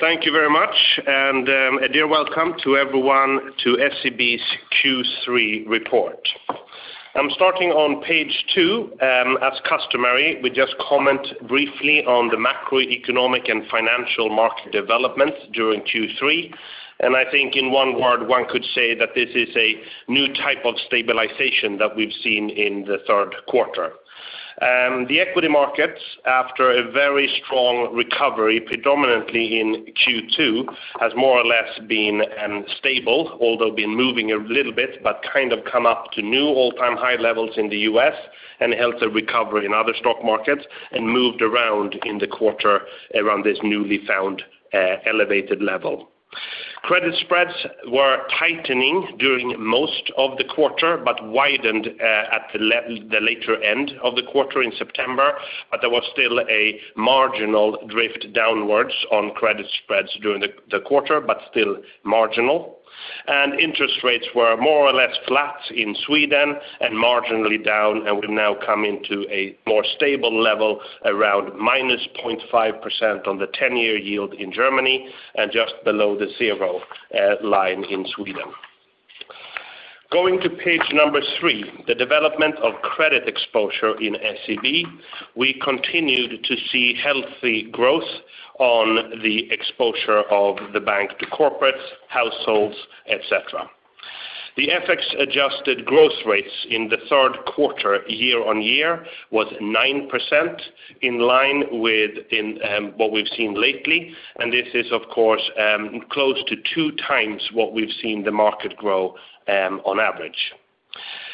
Thank you very much, a dear welcome to everyone to SEB's Q3 report. I'm starting on page two. As customary, we just comment briefly on the macroeconomic and financial market developments during Q3. I think in one word, one could say that this is a new type of stabilization that we've seen in the third quarter. The equity markets, after a very strong recovery, predominantly in Q2, has more or less been stable, although been moving a little bit, but kind of come up to new all-time high levels in the U.S. and held a recovery in other stock markets and moved around in the quarter around this newly found elevated level. Credit spreads were tightening during most of the quarter, but widened at the later end of the quarter in September. There was still a marginal drift downwards on credit spreads during the quarter, but still marginal. Interest rates were more or less flat in Sweden and marginally down and have now come into a more stable level around -0.5% on the 10-year yield in Germany and just below the zero line in Sweden. Going to page three, the development of credit exposure in SEB. We continued to see healthy growth on the exposure of the bank to corporates, households, et cetera. The FX-adjusted growth rates in the third quarter year-over-year was 9%, in line with what we've seen lately, and this is, of course, close to two times what we've seen the market grow on average.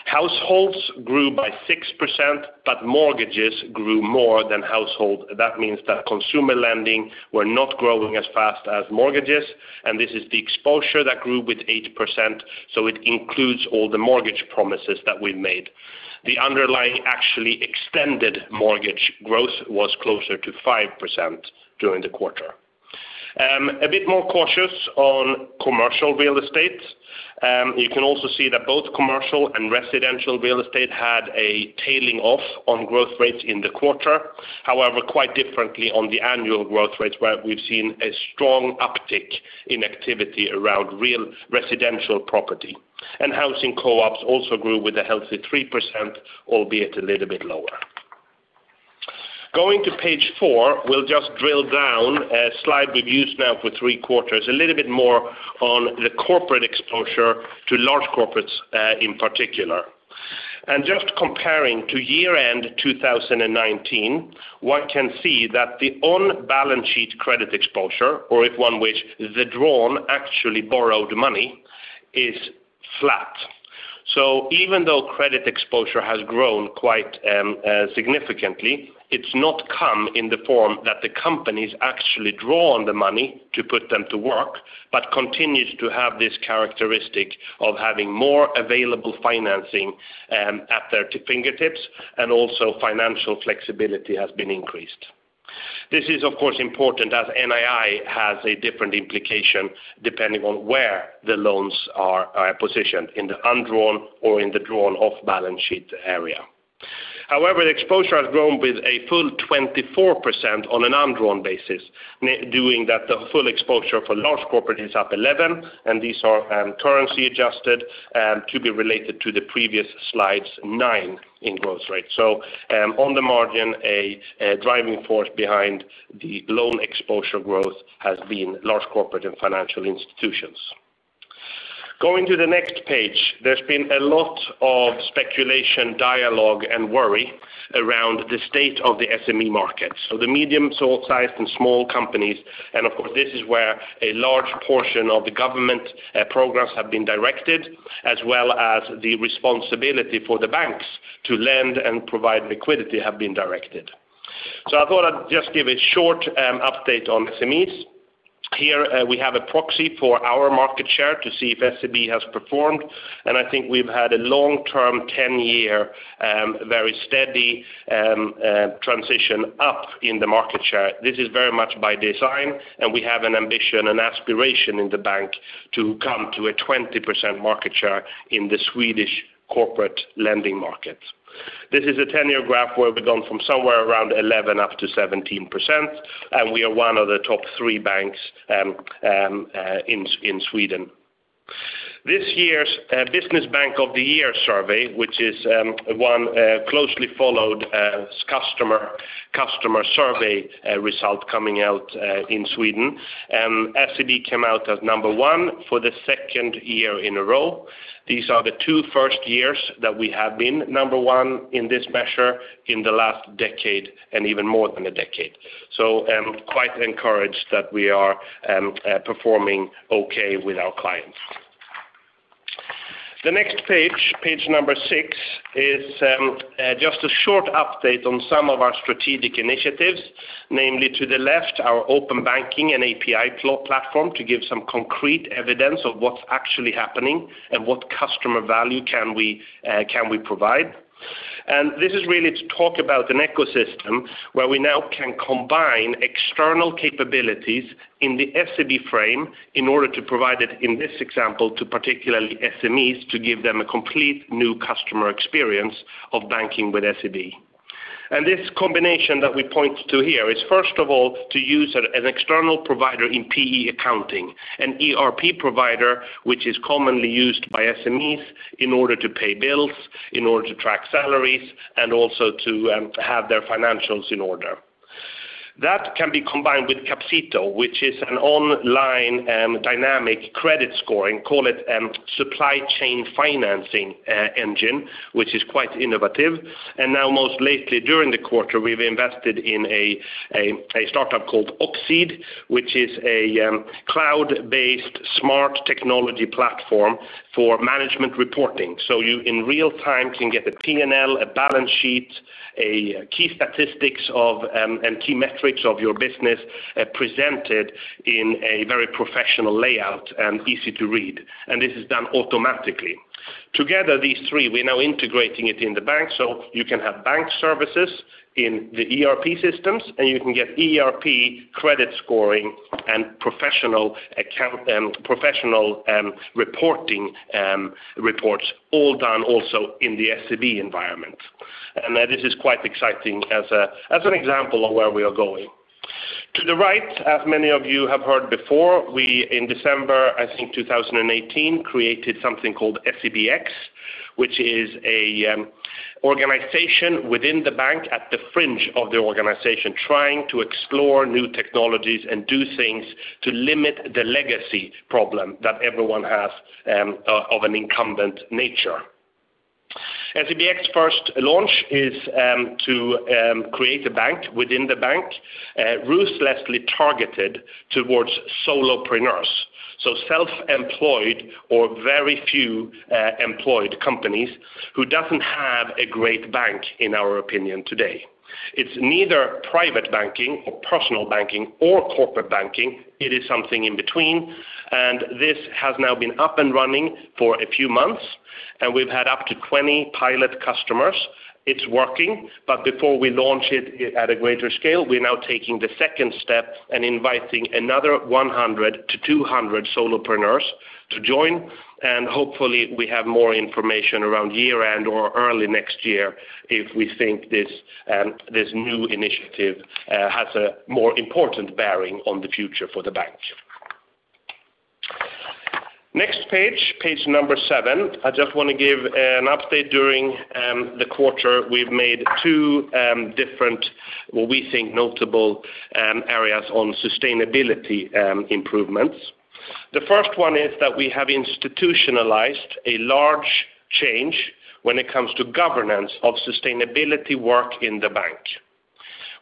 Households grew by 6%, but mortgages grew more than household. That means that consumer lending were not growing as fast as mortgages, and this is the exposure that grew with 8%. It includes all the mortgage promises that we made. The underlying actually extended mortgage growth was closer to 5% during the quarter. A bit more cautious on commercial real estate. You can also see that both commercial and residential real estate had a tailing off on growth rates in the quarter. However, quite differently on the annual growth rates where we've seen a strong uptick in activity around real residential property. Housing co-ops also grew with a healthy 3%, albeit a little bit lower. Going to page four, we'll just drill down a slide we've used now for three quarters, a little bit more on the corporate exposure to large corporates in particular. Just comparing to year-end 2019, one can see that the on-balance sheet credit exposure, or if one wished, the drawn actually borrowed money, is flat. Even though credit exposure has grown quite significantly, it's not come in the form that the companies actually draw on the money to put them to work, but continues to have this characteristic of having more available financing at their fingertips and also financial flexibility has been increased. This is, of course, important as NII has a different implication depending on where the loans are positioned in the undrawn or in the drawn off-balance sheet area. However, the exposure has grown with a full 24% on an undrawn basis, doing that the full exposure for large corporate is up 11%, and these are currency adjusted to be related to the previous slide's nine in growth rate. On the margin, a driving force behind the loan exposure growth has been Large Corporates & Financial Institutions. Going to the next page, there's been a lot of speculation, dialogue, and worry around the state of the SME market. The medium-sized and small companies, and of course, this is where a large portion of the government programs have been directed, as well as the responsibility for the banks to lend and provide liquidity have been directed. I thought I'd just give a short update on SMEs. Here we have a proxy for our market share to see if SEB has performed. I think we've had a long-term, 10-year, very steady transition up in the market share. This is very much by design, and we have an ambition and aspiration in the bank to come to a 20% market share in the Swedish corporate lending market. This is a 10-year graph where we've gone from somewhere around 11% up to 17%, and we are one of the top three banks in Sweden. This year's Business Bank of the Year survey, which is one closely followed customer survey result coming out in Sweden. SEB came out as number one for the second year in a row. These are the two first years that we have been number 1 in this measure in the last decade, and even more than a decade. I'm quite encouraged that we are performing okay with our clients. The next page number six, is just a short update on some of our strategic initiatives, namely to the left, our open banking and API platform to give some concrete evidence of what's actually happening and what customer value can we provide. This is really to talk about an ecosystem where we now can combine external capabilities in the SEB frame in order to provide it, in this example, to particularly SMEs to give them a complete new customer experience of banking with SEB. This combination that we point to here is, first of all, to use an external provider in PE Accounting, an ERP provider which is commonly used by SMEs in order to pay bills, in order to track salaries, and also to have their financials in order. That can be combined with Capcito, which is an online dynamic credit scoring, call it supply chain financing engine, which is quite innovative. Now most lately during the quarter, we've invested in a startup called Oxceed, which is a cloud-based smart technology platform for management reporting. You, in real-time, can get a P&L, a balance sheet, key statistics and key metrics of your business presented in a very professional layout and easy to read. This is done automatically. Together, these three, we're now integrating it in the bank so you can have bank services in the ERP systems, and you can get ERP credit scoring and professional reports all done also in the SEB environment. This is quite exciting as an example of where we are going. To the right, as many of you have heard before, we in December, I think 2018, created something called SEBx, which is an organization within the bank at the fringe of the organization, trying to explore new technologies and do things to limit the legacy problem that everyone has of an incumbent nature. SEBx first launch is to create a bank within the bank, ruthlessly targeted towards solopreneurs, so self-employed or very few employed companies who doesn't have a great bank in our opinion today. It's neither private banking or personal banking or corporate banking. It is something in between. This has now been up and running for a few months, and we've had up to 20 pilot customers. It's working. Before we launch it at a greater scale, we're now taking the second step and inviting another 100 solopreneurs-200 solopreneurs to join, and hopefully we have more information around year-end or early next year if we think this new initiative has a more important bearing on the future for the bank. Next page number seven. I just want to give an update during the quarter, we've made two different, what we think notable areas on sustainability improvements. The first one is that we have institutionalized a large change when it comes to governance of sustainability work in the bank.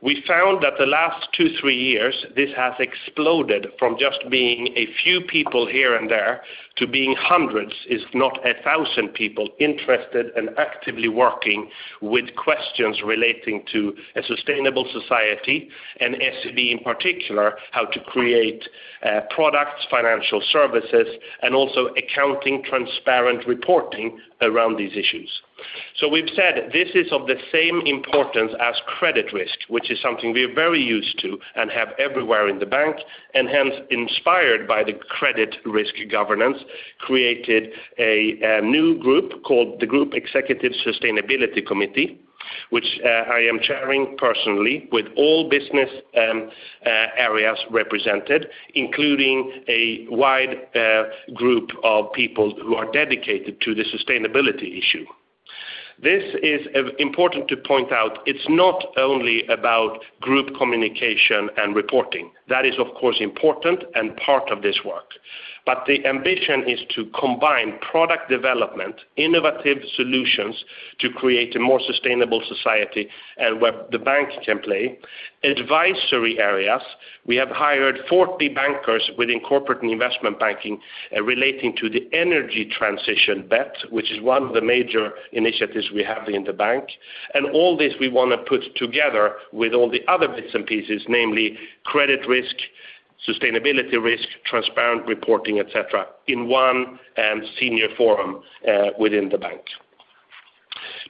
We found that the last two, three years, this has exploded from just being a few people here and there to being hundreds, if not 1,000 people interested and actively working with questions relating to a sustainable society and SEB in particular, how to create products, financial services, and also accounting transparent reporting around these issues. We've said this is of the same importance as credit risk, which is something we're very used to and have everywhere in the bank, and hence inspired by the credit risk governance, created a new group called the Group Executive Sustainability Committee, which I am chairing personally with all business areas represented, including a wide group of people who are dedicated to the sustainability issue. This is important to point out. It's not only about group communication and reporting. That is, of course, important and part of this work. The ambition is to combine product development, innovative solutions to create a more sustainable society and where the bank can play. Advisory areas, we have hired 40 bankers within corporate and investment banking relating to the energy transition bet, which is one of the major initiatives we have in the bank. All this we want to put together with all the other bits and pieces, namely credit risk, sustainability risk, transparent reporting, et cetera, in one senior forum within the bank.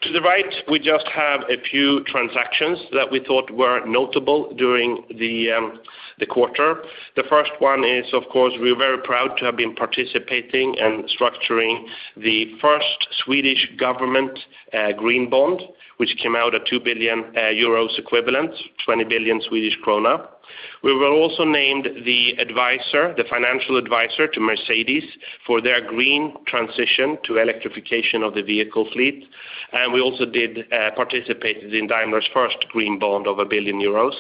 To the right, we just have a few transactions that we thought were notable during the quarter. The first one is, of course, we're very proud to have been participating and structuring the first Swedish Government Green Bond, which came out at 2 billion euros equivalent, 20 billion Swedish krona. We were also named the financial advisor to Mercedes for their green transition to electrification of the vehicle fleet. We also did participate in Daimler's first Green Bond of 1 billion euros.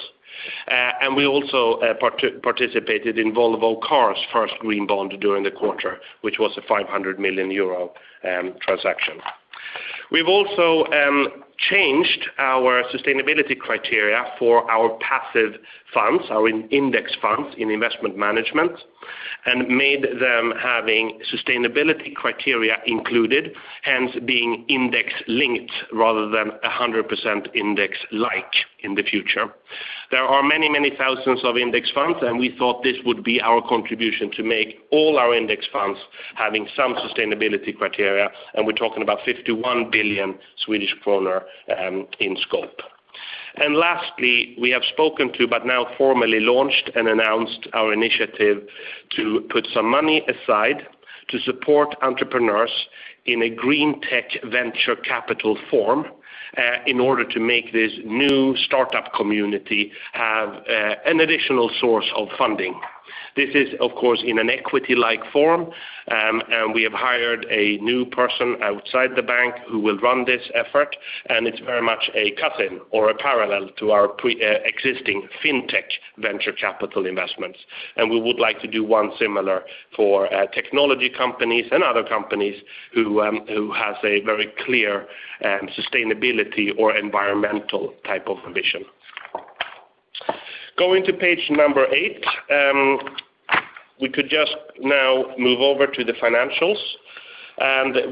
We also participated in Volvo Cars' first Green Bond during the quarter, which was a 500 million euro transaction. We've also changed our sustainability criteria for our passive funds, our index funds in investment management, and made them having sustainability criteria included, hence being index linked rather than 100% index like in the future. There are many, many thousands of index funds, and we thought this would be our contribution to make all our index funds having some sustainability criteria, and we are talking about 51 billion Swedish kronor in scope. Lastly, we have spoken to but now formally launched and announced our initiative to put some money aside to support entrepreneurs in a green tech venture capital form in order to make this new startup community have an additional source of funding. This is, of course, in an equity-like form, and we have hired a new person outside the bank who will run this effort, and it's very much a cousin or a parallel to our pre-existing fintech venture capital investments. We would like to do one similar for technology companies and other companies who has a very clear sustainability or environmental type of ambition. Going to page number eight. We could just now move over to the financials.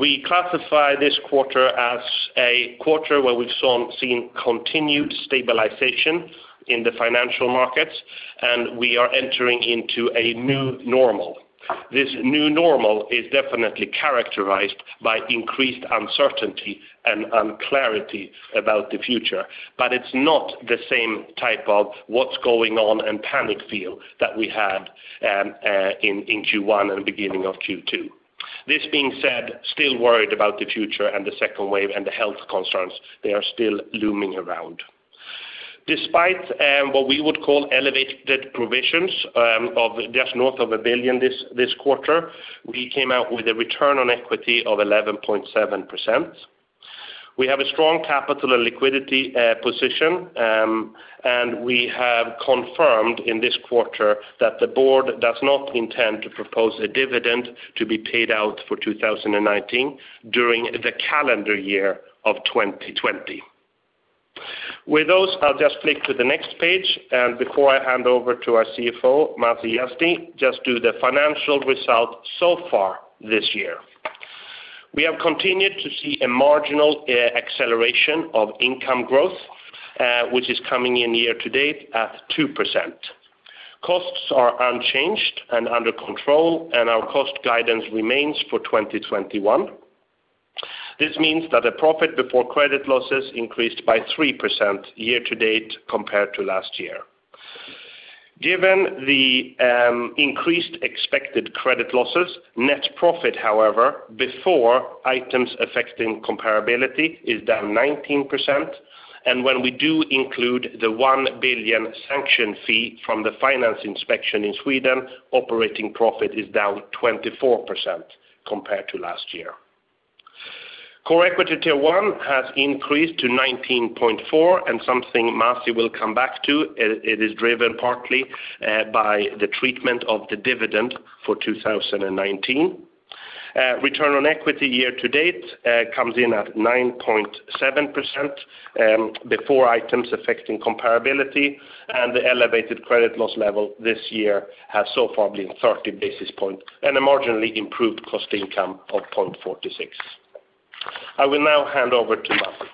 We classify this quarter as a quarter where we've seen continued stabilization in the financial markets, and we are entering into a new normal. This new normal is definitely characterized by increased uncertainty and unclarity about the future, it's not the same type of what's going on and panic feel that we had in Q1 and beginning of Q2. This being said, still worried about the future and the second wave and the health concerns. They are still looming around. Despite what we would call elevated provisions of just north of 1 billion this quarter, we came out with a return on equity of 11.7%. We have a strong capital and liquidity position, we have confirmed in this quarter that the board does not intend to propose a dividend to be paid out for 2019 during the calendar year of 2020. With those, I'll just flip to the next page, before I hand over to our CFO, Masih Yazdi, just do the financial result so far this year. We have continued to see a marginal acceleration of income growth, which is coming in year to date at 2%. Costs are unchanged and under control. Our cost guidance remains for 2021. This means that the profit before credit losses increased by 3% year to date compared to last year. Given the increased expected credit losses, net profit, however, before items affecting comparability is down 19%, and when we do include the 1 billion sanction fee from the Finance Inspection in Sweden, operating profit is down 24% compared to last year. Common Equity Tier 1 has increased to 19.4% and something Masih will come back to. It is driven partly by the treatment of the dividend for 2019. Return on equity year-to-date comes in at 9.7% before items affecting comparability and the elevated credit loss level this year has so far been 30 basis points and a marginally improved cost income of 0.46. I will now hand over to Masih.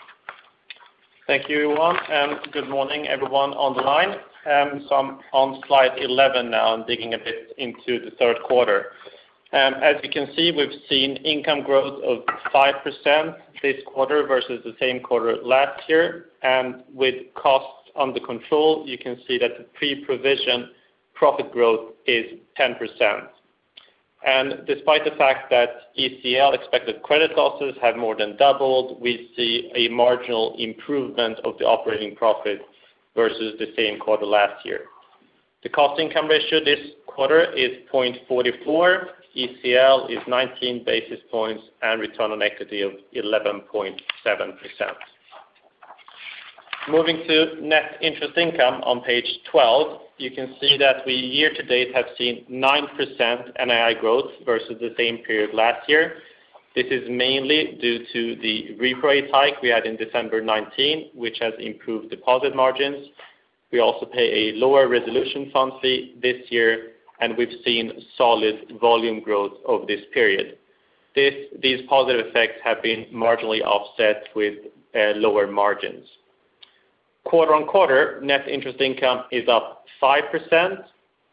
Thank you, Johan, and good morning everyone on the line. I'm on slide 11 now and digging a bit into the third quarter. As you can see, we've seen income growth of 5% this quarter versus the same quarter last year. With costs under control, you can see that the pre-provision profit growth is 10%. Despite the fact that ECL, expected credit losses, have more than doubled, we see a marginal improvement of the operating profit versus the same quarter last year. The cost income ratio this quarter is 0.44. ECL is 19 basis points and return on equity of 11.7%. Moving to net interest income on page 12, you can see that we year to date have seen 9% NII growth versus the same period last year. This is mainly due to the repo rate hike we had in December 2019, which has improved deposit margins. We also pay a lower resolution fund fee this year. We've seen solid volume growth over this period. These positive effects have been marginally offset with lower margins. Quarter on quarter, net interest income is up 5%.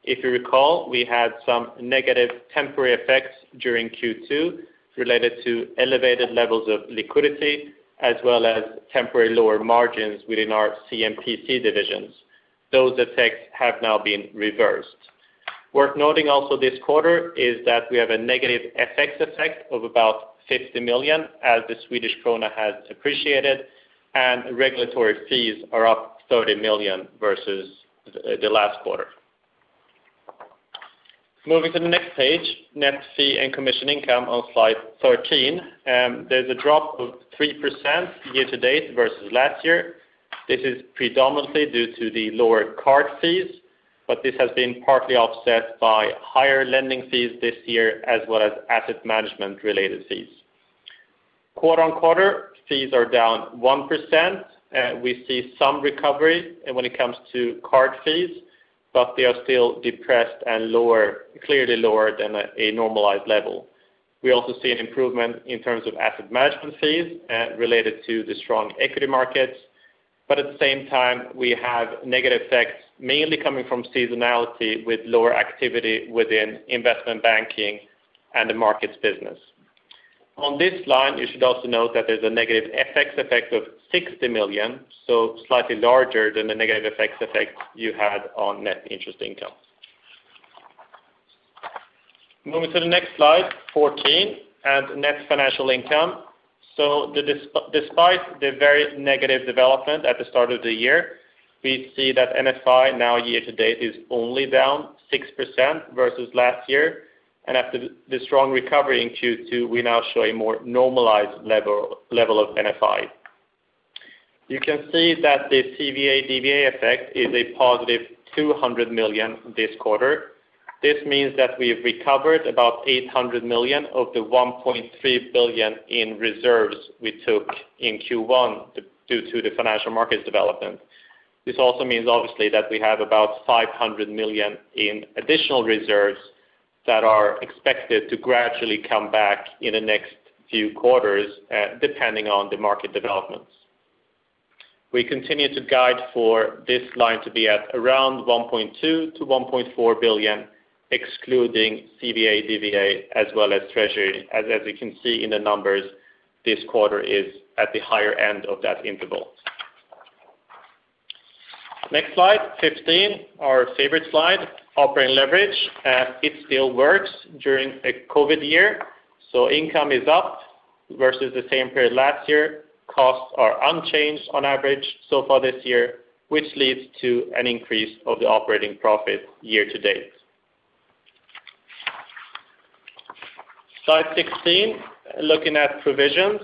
If you recall, we had some negative temporary effects during Q2 related to elevated levels of liquidity as well as temporary lower margins within our C&PC divisions. Those effects have now been reversed. Worth noting also this quarter is that we have a negative FX effect of about 50 million as the Swedish krona has appreciated, and regulatory fees are up 30 million versus the last quarter. Moving to the next page, net fee and commission income on slide 13. There's a drop of 3% year-to-date versus last year. This is predominantly due to the lower card fees, but this has been partly offset by higher lending fees this year as well as asset management-related fees. Quarter on quarter, fees are down 1%. We see some recovery when it comes to card fees, but they are still depressed and clearly lower than a normalized level. We also see an improvement in terms of asset management fees related to the strong equity markets. At the same time, we have negative effects mainly coming from seasonality with lower activity within investment banking and the markets business. On this line, you should also note that there's a negative FX effect of 60 million, so slightly larger than the negative FX effect you had on net interest income. Moving to the next slide, 14, net financial income. Despite the very negative development at the start of the year, we see that NFI now year to date is only down 6% versus last year. After the strong recovery in Q2, we now show a more normalized level of NFI. You can see that the CVA/DVA effect is a positive 200 million this quarter. This means that we have recovered about 800 million of the 1.3 billion in reserves we took in Q1 due to the financial markets development. This also means, obviously, that we have about 500 million in additional reserves that are expected to gradually come back in the next few quarters depending on the market developments. We continue to guide for this line to be at around 1.2 billion-1.4 billion excluding CVA/DVA as well as treasury. As you can see in the numbers, this quarter is at the higher end of that interval. Next slide, 15. Our favorite slide, operating leverage, and it still works during a COVID year. Income is up versus the same period last year. Costs are unchanged on average so far this year, which leads to an increase of the operating profit year-to-date. Slide 16, looking at provisions.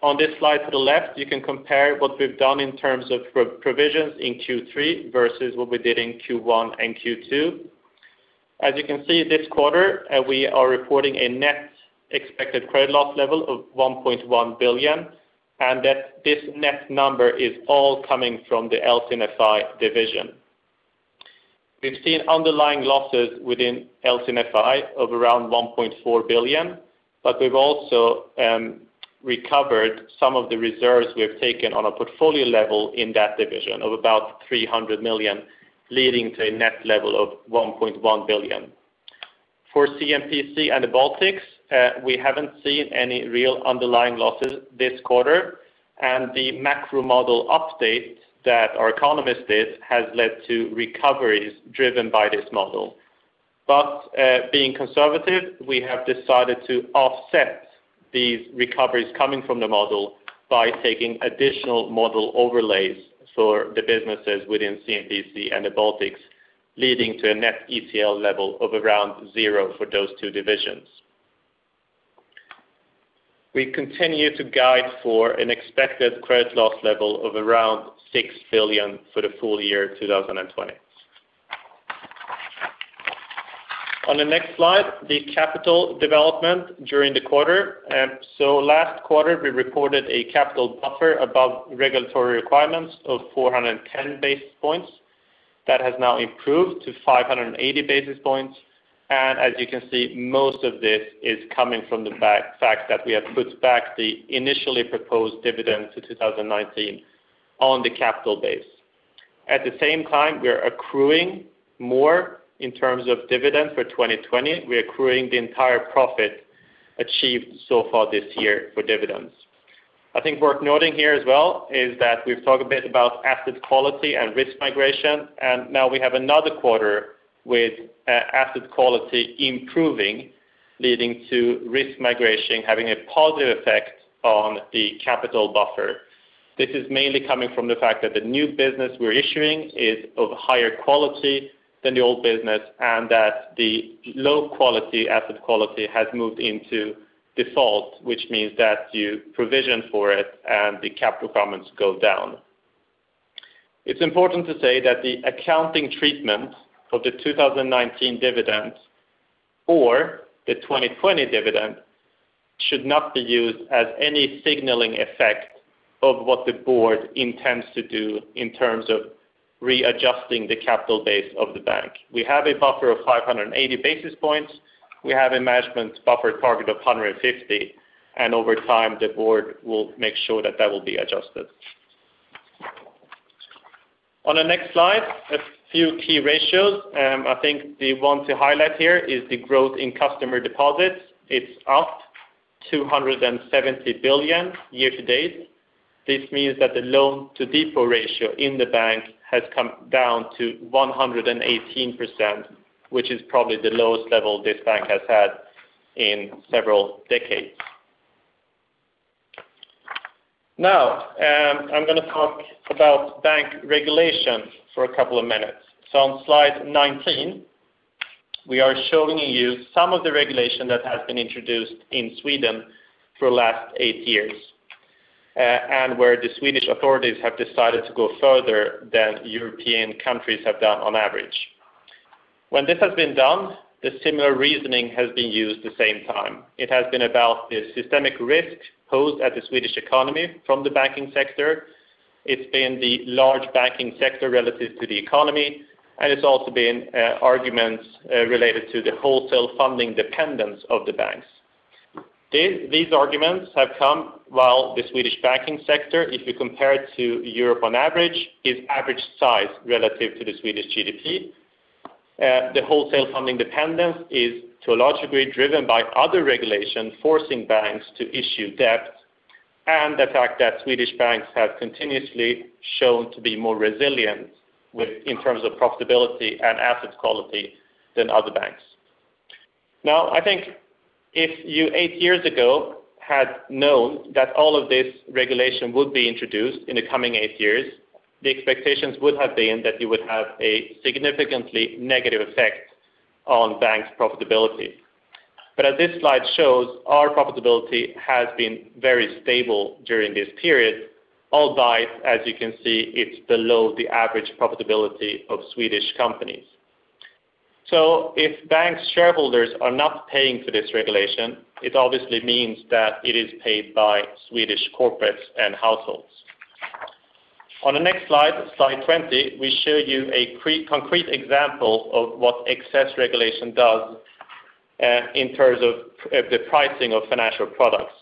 On this slide to the left, you can compare what we've done in terms of provisions in Q3 versus what we did in Q1 and Q2. As you can see this quarter, we are reporting a net expected credit loss level of 1.1 billion, and that this net number is all coming from the LC&FI division. We've seen underlying losses within LC&FI of around 1.4 billion, but we've also recovered some of the reserves we have taken on a portfolio level in that division of about 300 million, leading to a net level of 1.1 billion. For C&PC and the Baltics, we haven't seen any real underlying losses this quarter, and the macro model update that our economist did has led to recoveries driven by this model. Being conservative, we have decided to offset these recoveries coming from the model by taking additional model overlays for the businesses within C&PC and the Baltics, leading to a net ECL level of around zero for those two divisions. We continue to guide for an expected credit loss level of around 6 billion for the full year 2020. On the next slide, the capital development during the quarter. Last quarter, we reported a capital buffer above regulatory requirements of 410 basis points. That has now improved to 580 basis points. As you can see, most of this is coming from the fact that we have put back the initially proposed dividend to 2019 on the capital base. At the same time, we are accruing more in terms of dividend for 2020. We are accruing the entire profit achieved so far this year for dividends. I think worth noting here as well is that we've talked a bit about asset quality and risk migration. Now we have another quarter with asset quality improving, leading to risk migration having a positive effect on the capital buffer. This is mainly coming from the fact that the new business we're issuing is of higher quality than the old business. That the low asset quality has moved into default, which means that you provision for it and the capital requirements go down. It's important to say that the accounting treatment for the 2019 dividend or the 2020 dividend should not be used as any signaling effect of what the board intends to do in terms of readjusting the capital base of the bank. We have a buffer of 580 basis points. We have a management buffer target of 150 basis points, and over time, the Board will make sure that that will be adjusted. On the next slide, a few key ratios. I think the one to highlight here is the growth in customer deposits. It's up 270 billion year-to-date. This means that the loan to deposit ratio in the bank has come down to 118%, which is probably the lowest level this bank has had in several decades. I'm going to talk about bank regulation for a couple of minutes. On slide 19, we are showing you some of the regulation that has been introduced in Sweden for the last eight years, and where the Swedish authorities have decided to go further than European countries have done on average. When this has been done, the similar reasoning has been used the same time. It has been about the systemic risk posed at the Swedish economy from the banking sector. It's been the large banking sector relative to the economy, and it's also been arguments related to the wholesale funding dependence of the banks. These arguments have come while the Swedish banking sector, if you compare it to Europe on average, is average size relative to the Swedish GDP. The wholesale funding dependence is to a large degree driven by other regulation forcing banks to issue debt, and the fact that Swedish banks have continuously shown to be more resilient in terms of profitability and asset quality than other banks. Now, I think if you, eight years ago, had known that all of this regulation would be introduced in the coming eight years, the expectations would have been that you would have a significantly negative effect on banks' profitability. As this slide shows, our profitability has been very stable during this period, albeit, as you can see, it's below the average profitability of Swedish companies. If banks' shareholders are not paying for this regulation, it obviously means that it is paid by Swedish corporates and households. On the next slide 20, we show you a concrete example of what excess regulation does in terms of the pricing of financial products.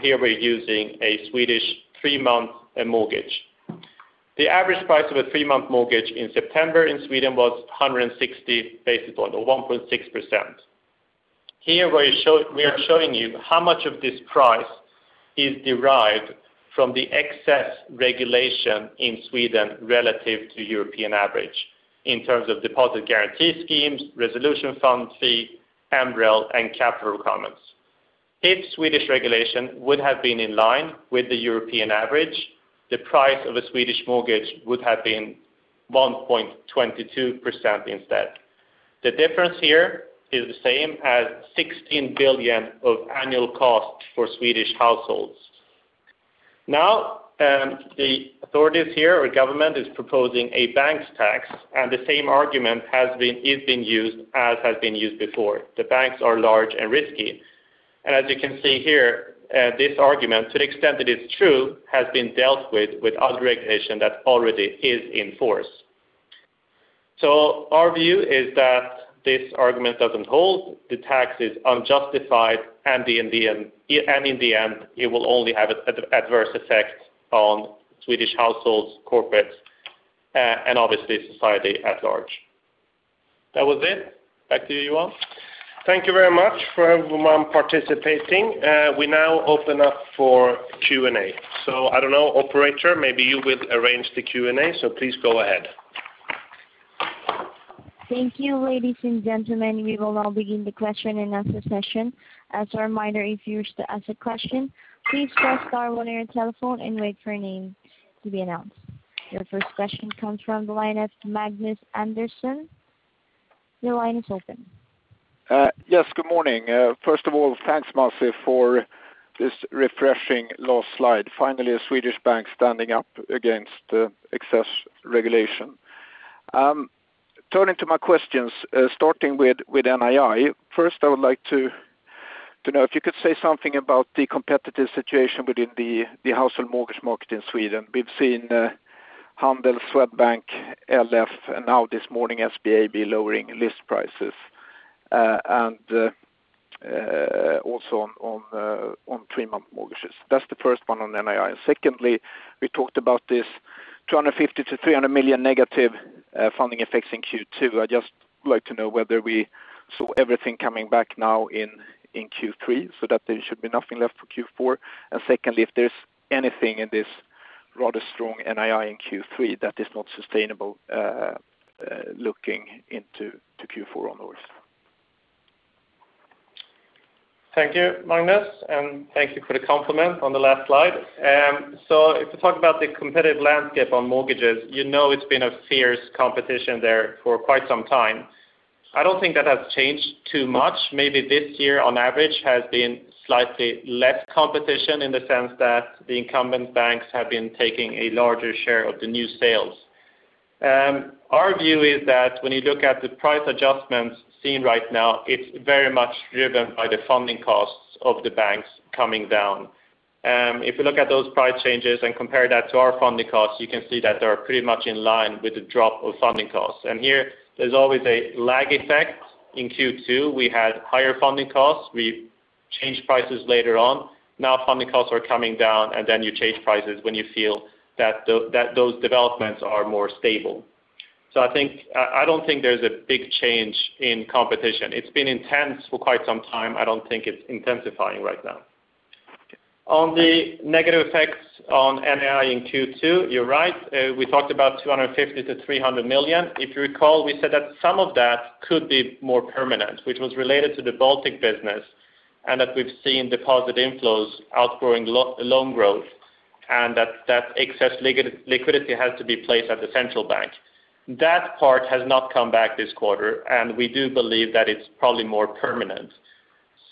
Here we're using a Swedish three-month mortgage. The average price of a three-month mortgage in September in Sweden was 160 basis points, or 1.6%. Here we are showing you how much of this price is derived from the excess regulation in Sweden relative to European average in terms of deposit guarantee schemes, resolution fund fee, MREL, and capital requirements. If Swedish regulation would have been in line with the European average, the price of a Swedish mortgage would have been 1.22% instead. The difference here is the same as 16 billion of annual cost for Swedish households. The authorities here, or government, is proposing a bank tax. The same argument is being used as has been used before. The banks are large and risky. As you can see here, this argument, to the extent that it's true, has been dealt with other regulation that already is in force. Our view is that this argument doesn't hold, the tax is unjustified, and in the end, it will only have an adverse effect on Swedish households, corporates, and obviously society at large. That was it. Back to you, Johan. Thank you very much for everyone participating. We now open up for Q&A. I don't know, operator, maybe you will arrange the Q&A, so please go ahead. Thank you, ladies and gentlemen. We will now begin the question-and-answer session. As a reminder, if you wish to ask a question, please press star one on your telephone and wait for your name to be announced. Your first question comes from the line of Magnus Andersson. Your line is open. Yes, good morning. First of all, thanks Masih for this refreshing last slide. Finally, a Swedish bank standing up against excess regulation. Turning to my questions, starting with NII. First, I would like to know if you could say something about the competitive situation within the household mortgage market in Sweden. We've seen Handel, Swedbank, LF, and now this morning, SBAB lowering list prices, and also on three-month mortgages. That's the first one on NII. Secondly, we talked about this 250 million-300 million negative funding effects in Q2. I'd just like to know whether we saw everything coming back now in Q3 so that there should be nothing left for Q4. Secondly, if there's anything in this rather strong NII in Q3 that is not sustainable looking into Q4 onwards. Thank you, Magnus, and thank you for the compliment on the last slide. If you talk about the competitive landscape on mortgages, you know it's been a fierce competition there for quite some time. I don't think that has changed too much. Maybe this year, on average, has been slightly less competition in the sense that the incumbent banks have been taking a larger share of the new sales. Our view is that when you look at the price adjustments seen right now, it's very much driven by the funding costs of the banks coming down. If you look at those price changes and compare that to our funding costs, you can see that they are pretty much in line with the drop of funding costs. Here there's always a lag effect. In Q2, we had higher funding costs. We changed prices later on. Funding costs are coming down, you change prices when you feel that those developments are more stable. I don't think there's a big change in competition. It's been intense for quite some time. I don't think it's intensifying right now. On the negative effects on NII in Q2, you're right. We talked about 250 million-300 million. If you recall, we said that some of that could be more permanent, which was related to the Baltic business, we've seen deposit inflows outgrowing loan growth, excess liquidity has to be placed at the central bank. That part has not come back this quarter, we do believe that it's probably more permanent.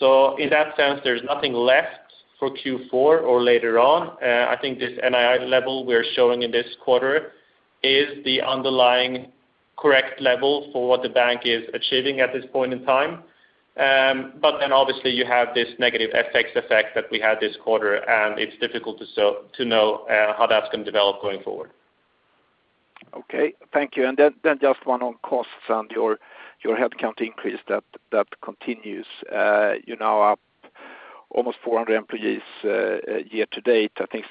In that sense, there's nothing left for Q4 or later on. I think this NII level we're showing in this quarter is the underlying correct level for what the bank is achieving at this point in time. Obviously you have this negative FX effect that we had this quarter, and it's difficult to know how that's going to develop going forward. Okay. Thank you. Then just one on costs and your head count increase that continues. You're now up almost 400 employees year-to-date. I think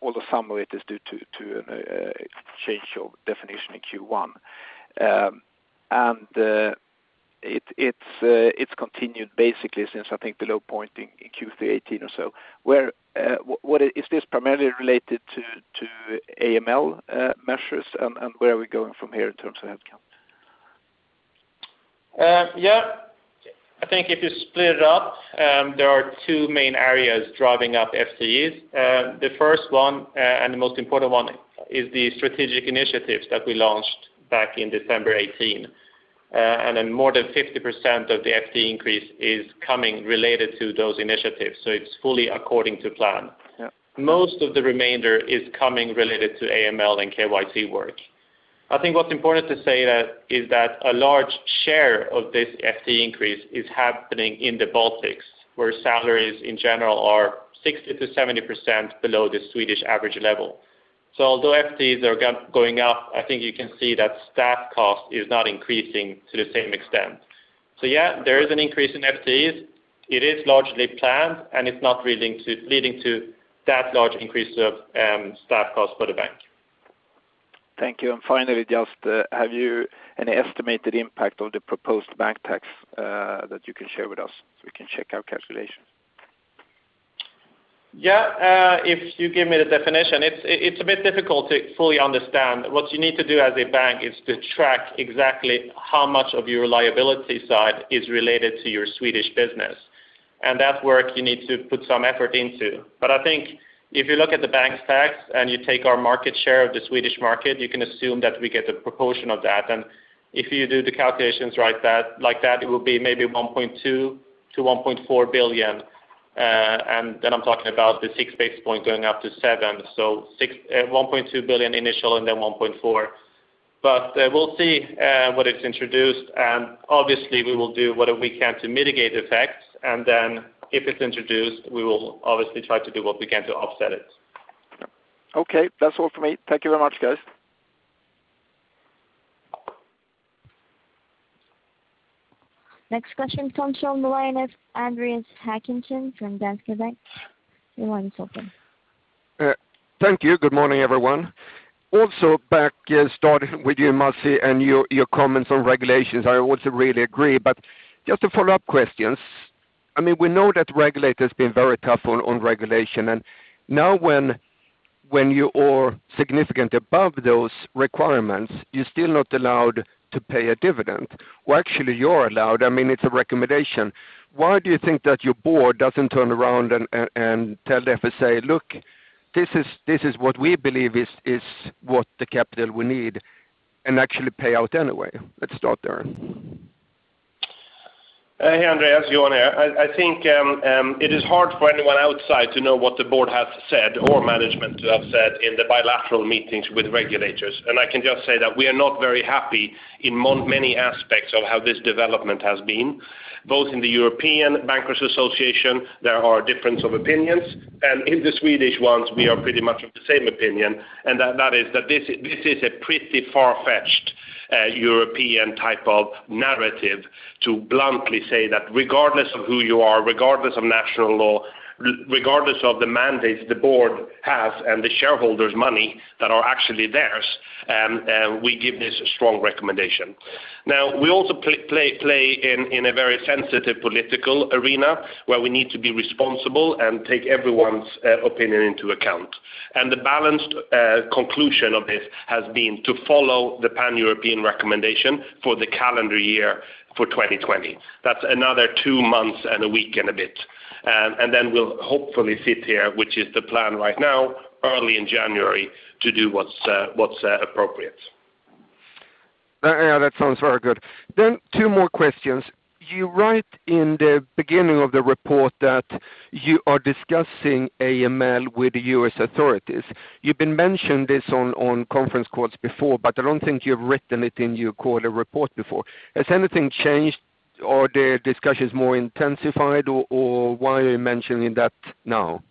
although some of it is due to a change of definition in Q1. It's continued basically since, I think the low point in Q3 2018 or so. Is this primarily related to AML measures, and where are we going from here in terms of headcount? I think if you split it up, there are two main areas driving up FTEs. The first one, and the most important one, is the strategic initiatives that we launched back in December 2018. Then more than 50% of the FTE increase is coming related to those initiatives, so it's fully according to plan. Yeah. Most of the remainder is coming related to AML and KYC work. I think what's important to say is that a large share of this FTE increase is happening in the Baltics, where salaries in general are 60%-70% below the Swedish average level. Although FTEs are going up, I think you can see that staff cost is not increasing to the same extent. Yeah, there is an increase in FTEs. It is largely planned, and it's not really leading to that large increase of staff cost for the bank. Thank you. Finally, just have you any estimated impact on the proposed bank tax that you can share with us, so we can check our calculations? Yeah. If you give me the definition. It's a bit difficult to fully understand. What you need to do as a bank is to track exactly how much of your liability side is related to your Swedish business. That work you need to put some effort into. I think if you look at the bank tax and you take our market share of the Swedish market, you can assume that we get the proportion of that. If you do the calculations like that, it will be maybe 1.2 billion-1.4 billion. I'm talking about the six basis points going up to seven. 1.2 billion initial and then 1.4 billion. We'll see what it's introduced, and obviously we will do whatever we can to mitigate effects. If it's introduced, we will obviously try to do what we can to offset it. Okay. That's all for me. Thank you very much, guys. Next question comes on the line is Andreas Håkansson from Danske Bank. Your line is open. Thank you. Good morning, everyone. Back starting with you, Masih, and your comments on regulations. I also really agree, just a follow-up question. We know that regulators have been very tough on regulation, now when you're significant above those requirements, you're still not allowed to pay a dividend. Well, actually, you're allowed. It's a recommendation. Why do you think that your board doesn't turn around and tell the FSA, "Look, this is what we believe is what the capital we need, and actually pay out anyway?" Let's start there. Hey, Andreas. Johan here. I think it is hard for anyone outside to know what the Board has said or management to have said in the bilateral meetings with regulators. I can just say that we are not very happy in many aspects of how this development has been. Both in the European Bankers Association, there are difference of opinions, and in the Swedish ones, we are pretty much of the same opinion, and that is that this is a pretty far-fetched European type of narrative to bluntly say that regardless of who you are, regardless of national law, regardless of the mandate the Board has and the shareholders' money that are actually theirs, we give this a strong recommendation. Now, we also play in a very sensitive political arena where we need to be responsible and take everyone's opinion into account. The balanced conclusion of this has been to follow the Pan-European recommendation for the calendar year for 2020. That's another two months and a week and a bit. Then we'll hopefully sit here, which is the plan right now, early in January to do what's appropriate. Yeah, that sounds very good. Two more questions. You write in the beginning of the report that you are discussing AML with the U.S. authorities. You've been mentioning this on conference calls before, but I don't think you've written it in your quarter report before. Has anything changed? Are the discussions more intensified, or why are you mentioning that now?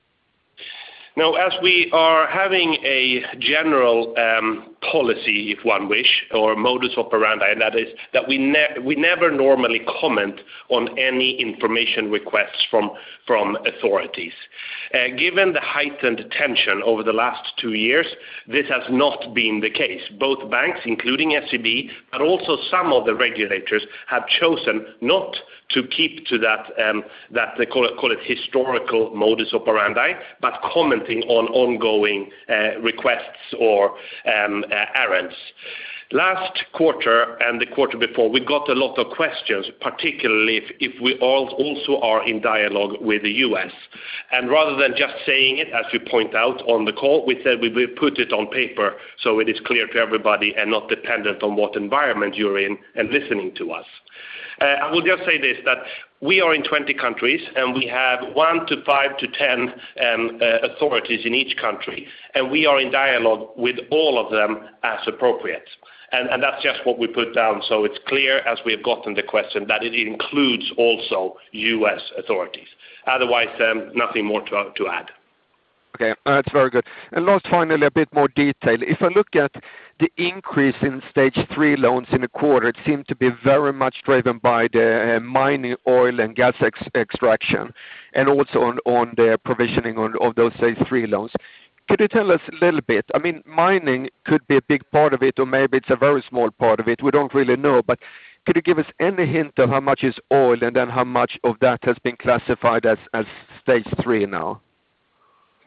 Now, as we are having a general policy, if one wish, or modus operandi, and that is that we never normally comment on any information requests from authorities. Given the heightened tension over the last two years, this has not been the case. Both banks, including SEB, but also some of the regulators, have chosen not to keep to that, they call it historical modus operandi, but commenting on ongoing requests or errands. Last quarter and the quarter before, we got a lot of questions, particularly if we also are in dialogue with the U.S. Rather than just saying it, as we point out on the call, we said we will put it on paper so it is clear to everybody and not dependent on what environment you're in and listening to us. I will just say this, that we are in 20 countries, and we have one to 5 authorities-10 authorities in each country, and we are in dialogue with all of them as appropriate. That's just what we put down, so it's clear as we have gotten the question that it includes also U.S. authorities. Otherwise, nothing more to add. Okay. That's very good. Last, finally, a bit more detail. If I look at the increase in Stage 3 loans in the quarter, it seemed to be very much driven by the mining, oil, and gas extraction, and also on the provisioning of those Stage 3 loans. Could you tell us a little bit? Mining could be a big part of it, or maybe it's a very small part of it. We don't really know. Could you give us any hint of how much is oil, and then how much of that has been classified as Stage 3 now?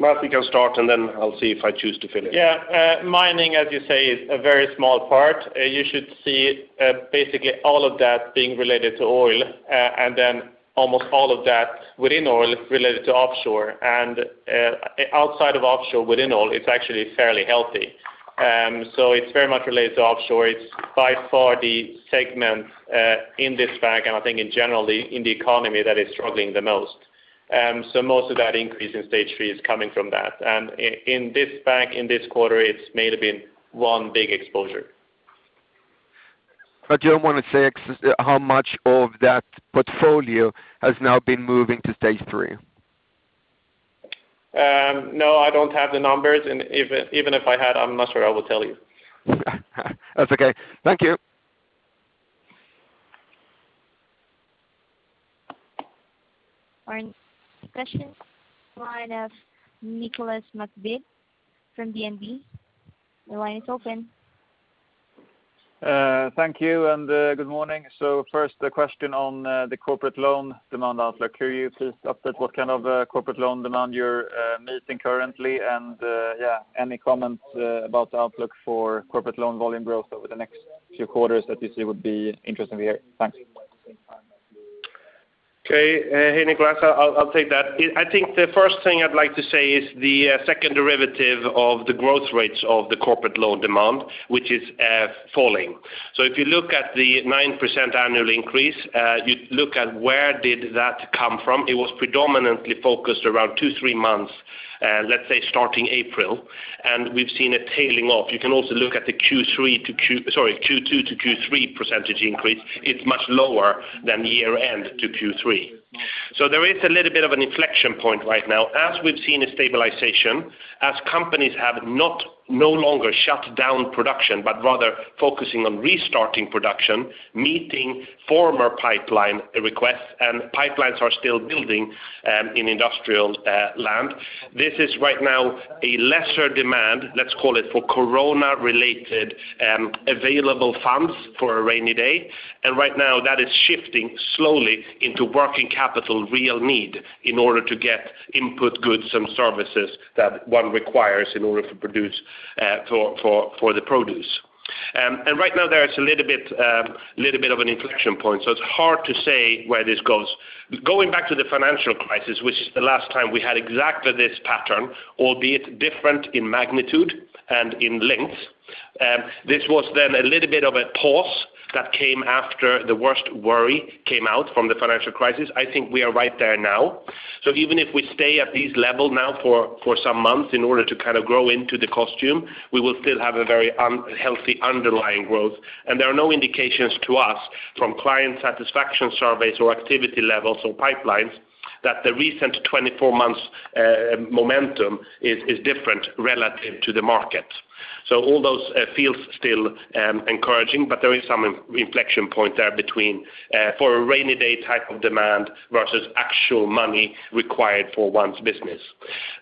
Masih, you can start, and then I'll see if I choose to fill in. Yeah. Mining, as you say, is a very small part. You should see basically all of that being related to oil, and then almost all of that within oil related to offshore. Outside of offshore, within oil, it's actually fairly healthy. It's very much related to offshore. It's by far the segment in this bank, and I think in general in the economy, that is struggling the most. Most of that increase in Stage 3 is coming from that. In this bank, in this quarter, it's maybe one big exposure. Do you want to say how much of that portfolio has now been moving to Stage 3? No, I don't have the numbers, and even if I had, I'm not sure I would tell you. That's okay. Thank you. Our next question, line of Nicolas McBeath from DNB. Your line is open. Thank you, good morning. First, a question on the corporate loan demand outlook. Could you please update what kind of corporate loan demand you're meeting currently? Any comments about the outlook for corporate loan volume growth over the next few quarters that you see would be interesting to hear. Thanks. Okay. Hey, Nicolas. I'll take that. I think the first thing I'd like to say is the second derivative of the growth rates of the corporate loan demand, which is falling. If you look at the 9% annual increase you look at where did that come from. It was predominantly focused around two, three months, let's say starting April, and we've seen it tailing off. You can also look at the Q2 to Q3 percentage increase. It's much lower than year-end to Q3. There is a little bit of an inflection point right now. As we've seen a stabilization, as companies have no longer shut down production, but rather focusing on restarting production, meeting former pipeline requests, and pipelines are still building in industrial land. This is right now a lesser demand, let's call it, for Corona-related available funds for a rainy day. Right now that is shifting slowly into working capital real need in order to get input goods and services that one requires in order to produce for the produce. Right now there is a little bit of an inflection point, so it's hard to say where this goes. Going back to the financial crisis, which the last time we had exactly this pattern, albeit different in magnitude and in length, this was then a little bit of a pause that came after the worst worry came out from the financial crisis. I think we are right there now. Even if we stay at this level now for some months in order to grow into the costume, we will still have a very healthy underlying growth. There are no indications to us from client satisfaction surveys or activity levels or pipelines that the recent 24 months momentum is different relative to the market. All those fields still encouraging, but there is some inflection point there between for a rainy day type of demand versus actual money required for one's business.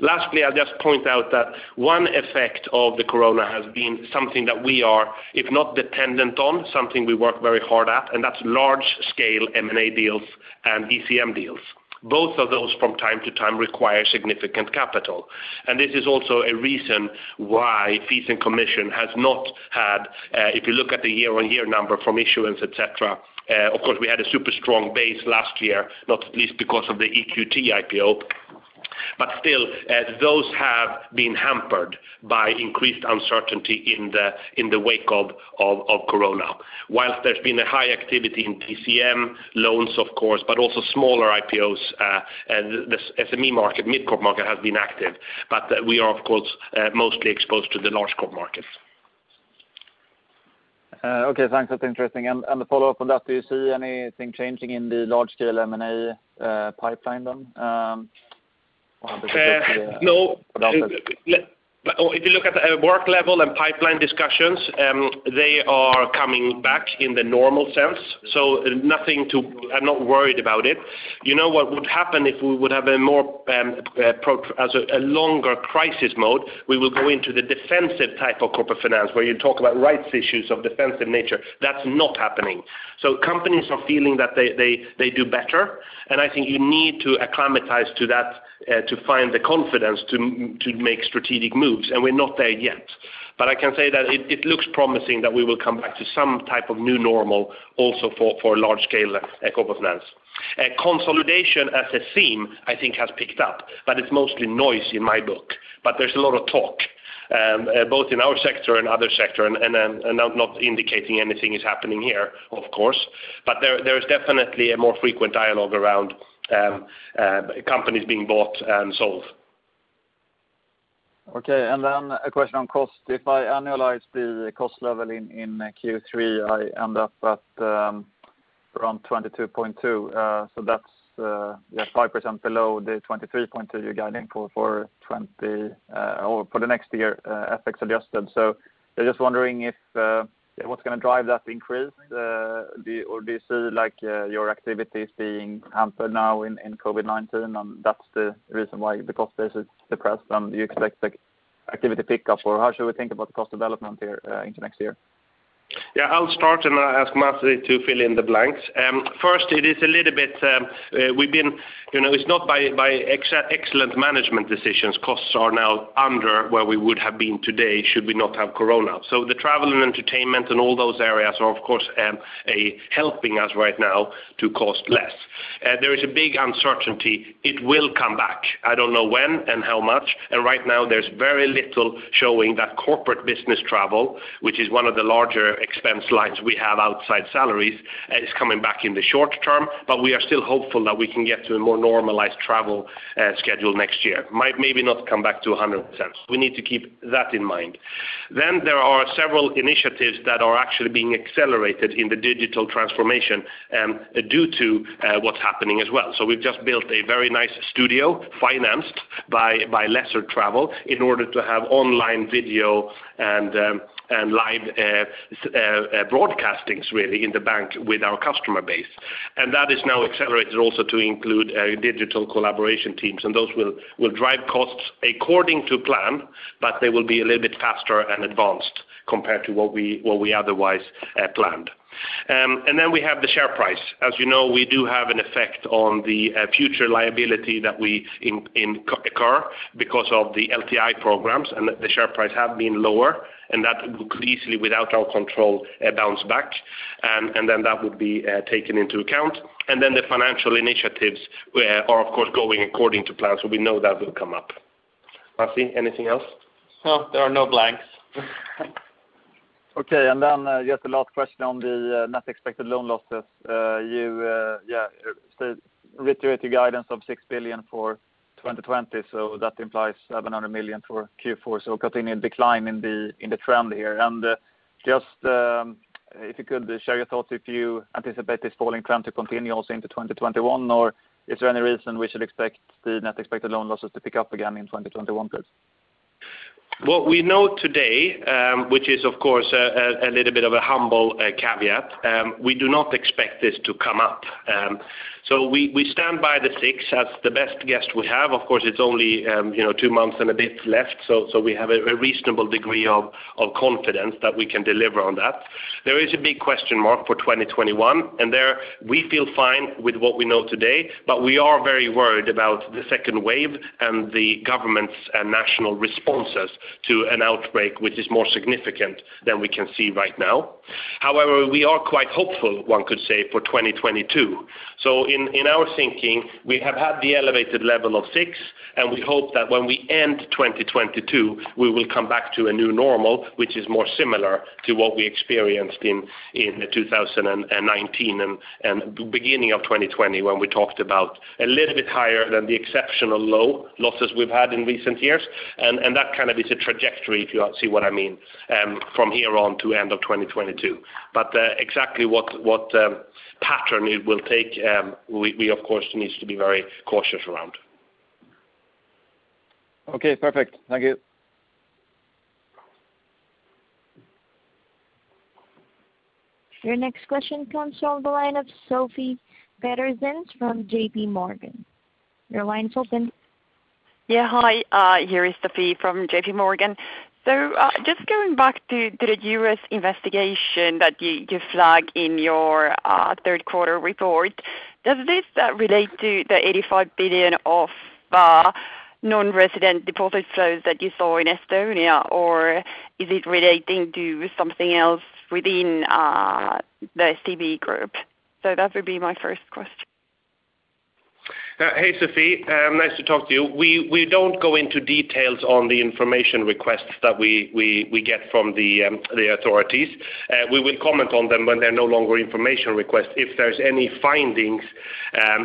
Lastly, I'll just point out that one effect of the Corona has been something that we are, if not dependent on, something we work very hard at, and that's large-scale M&A deals and DCM deals. Both of those from time to time require significant capital. This is also a reason why fees and commission has not had, if you look at the year-on-year number from issuance, et cetera, of course, we had a super strong base last year, not least because of the EQT IPO. Still, those have been hampered by increased uncertainty in the wake of Corona. Whilst there's been a high activity in DCM, loans of course, but also smaller IPOs, the SME market, mid-corp market has been active. We are of course, mostly exposed to the large corp market. Okay, thanks. That's interesting. The follow-up on that, do you see anything changing in the large-scale M&A pipeline then? No. If you look at work level and pipeline discussions they are coming back in the normal sense. I'm not worried about it. You know what would happen if we would have a longer crisis mode? We will go into the defensive type of corporate finance where you talk about rights issues of defensive nature. That's not happening. Companies are feeling that they do better, and I think you need to acclimatize to that to find the confidence to make strategic moves. We're not there yet. I can say that it looks promising that we will come back to some type of new normal also for large-scale corporate finance. Consolidation as a theme, I think has picked up, but it's mostly noise in my book. There's a lot of talk both in our sector and other sector, and I'm not indicating anything is happening here, of course. There is definitely a more frequent dialogue around companies being bought and sold. A question on cost. If I annualize the cost level in Q3, I end up at 22.2. That's 5% below the 23.2 you're guiding for the next year, FX adjusted. Just wondering what's going to drive that increase? Do you see your activities being hampered now in COVID-19, and that's the reason why the cost base is depressed, and you expect activity pick up? How should we think about the cost development into next year? Yeah, I'll start and ask Masih to fill in the blanks. First, it's not by excellent management decisions costs are now under where we would have been today should we not have corona. The travel and entertainment and all those areas are, of course, helping us right now to cost less. There is a big uncertainty. It will come back. I don't know when and how much, and right now there's very little showing that corporate business travel, which is one of the larger expense lines we have outside salaries, is coming back in the short term. We are still hopeful that we can get to a more normalized travel schedule next year, maybe not come back to 100%. We need to keep that in mind. There are several initiatives that are actually being accelerated in the digital transformation due to what's happening as well. We've just built a very nice studio financed by lesser travel in order to have online video and live broadcastings really in the bank with our customer base. That is now accelerated also to include digital collaboration teams. Those will drive costs according to plan, but they will be a little bit faster and advanced compared to what we otherwise planned. We have the share price. As you know, we do have an effect on the future liability that we incur because of the LTI programs and the share price have been lower, and that could easily, without our control, bounce back. That would be taken into account. The financial initiatives are, of course, going according to plan, so we know that will come up. Masih, anything else? No, there are no blanks. Okay, just the last question on the net expected loan losses. You reiterate your guidance of 6 billion for 2020. That implies 700 million for Q4. Continued decline in the trend here. Just if you could share your thoughts if you anticipate this falling trend to continue also into 2021, or is there any reason we should expect the net expected loan losses to pick up again in 2021, please? What we know today, which is of course a little bit of a humble caveat, we do not expect this to come up. We stand by the 6 billion as the best guess we have. Of course, it's only two months and a bit left, so we have a reasonable degree of confidence that we can deliver on that. There is a big question mark for 2021, and there we feel fine with what we know today, but we are very worried about the second wave and the government's national responses to an outbreak which is more significant than we can see right now. However, we are quite hopeful, one could say, for 2022. In our thinking, we have had the elevated level of 6 billion, and we hope that when we end 2022, we will come back to a new normal, which is more similar to what we experienced in 2019 and beginning of 2020, when we talked about a little bit higher than the exceptional low losses we've had in recent years. That is a trajectory, if you see what I mean, from here on to end of 2022. Exactly what pattern it will take, we of course need to be very cautious around. Okay, perfect. Thank you. Your next question comes from the line of Sofie Peterzens from JPMorgan. Your line is open. Yeah. Hi, here is Sofie from JPMorgan. Just going back to the U.S. investigation that you flag in your third quarter report, does this relate to the 85 billion of non-resident deposit flows that you saw in Estonia? Or is it relating to something else within the SEB group? That would be my first question. Hey, Sofie. Nice to talk to you. We don't go into details on the information requests that we get from the authorities. We will comment on them when they're no longer information requests. If there's any findings,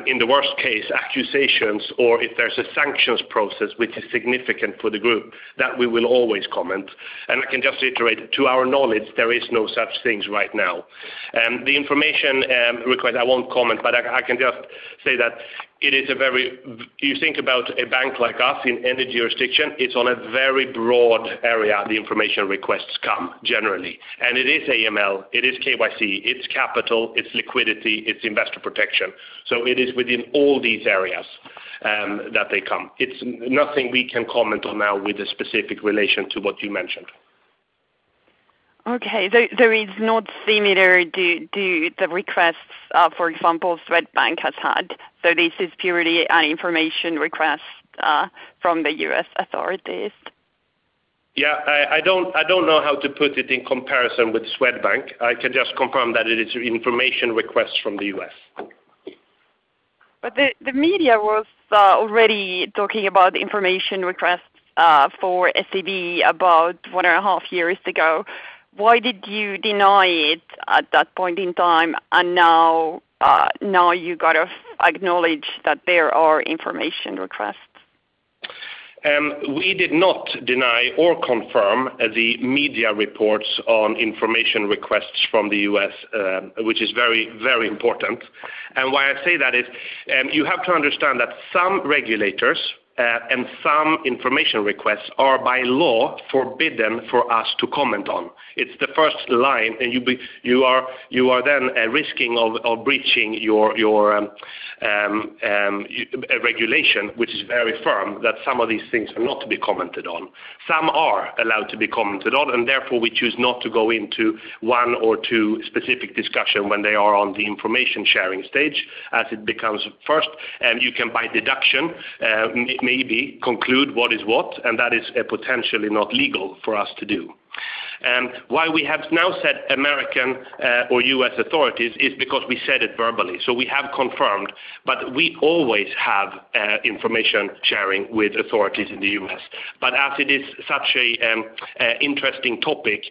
in the worst case accusations, or if there's a sanctions process which is significant for the Group, that we will always comment. I can just reiterate, to our knowledge, there is no such things right now. The information request, I won't comment, I can just say that you think about a bank like us in any jurisdiction, it's on a very broad area the information requests come generally. It is AML, it is KYC, it's capital, it's liquidity, it's investor protection. It is within all these areas that they come. It's nothing we can comment on now with a specific relation to what you mentioned. Okay. There is no similar to the requests, for example, Swedbank has had. This is purely an information request from the U.S. authorities? Yeah. I don't know how to put it in comparison with Swedbank. I can just confirm that it is information request from the U.S. The media was already talking about information requests for SEB about one and a half years ago. Why did you deny it at that point in time, and now you got to acknowledge that there are information requests? We did not deny or confirm the media reports on information requests from the U.S., which is very important. Why I say that is, you have to understand that some regulators and some information requests are by law forbidden for us to comment on. It's the first line, and you are then risking of breaching your regulation, which is very firm, that some of these things are not to be commented on. Some are allowed to be commented on, and therefore we choose not to go into one or two specific discussion when they are on the information-sharing stage, as it becomes first, and you can, by deduction, maybe conclude what is what, and that is potentially not legal for us to do. Why we have now said American or U.S. authorities is because we said it verbally. We have confirmed, we always have information sharing with authorities in the U.S. As it is such an interesting topic,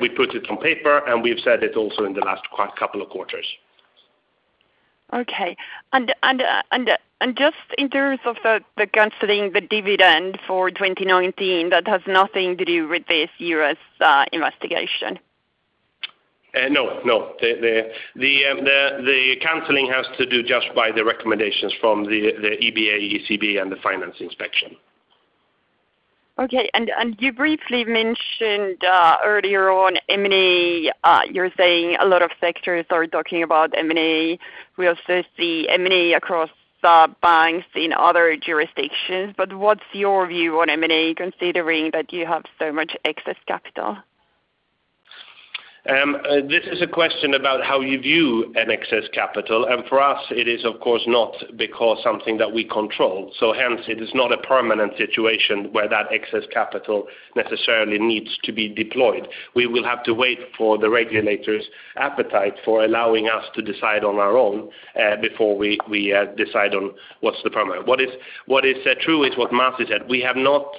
we put it on paper, and we've said it also in the last couple of quarters. Okay. Just in terms of the canceling the dividend for 2019, that has nothing to do with this U.S. investigation? No. The canceling has to do just by the recommendations from the EBA, ECB, and the Finance Inspection. Okay. You briefly mentioned earlier on M&A, you're saying a lot of sectors are talking about M&A. We also see M&A across banks in other jurisdictions, but what's your view on M&A, considering that you have so much excess capital? This is a question about how you view an excess capital, for us, it is, of course not, because something that we control. Hence, it is not a permanent situation where that excess capital necessarily needs to be deployed. We will have to wait for the regulators' appetite for allowing us to decide on our own before we decide on what's the parameter. What is true is what Masih said. We have not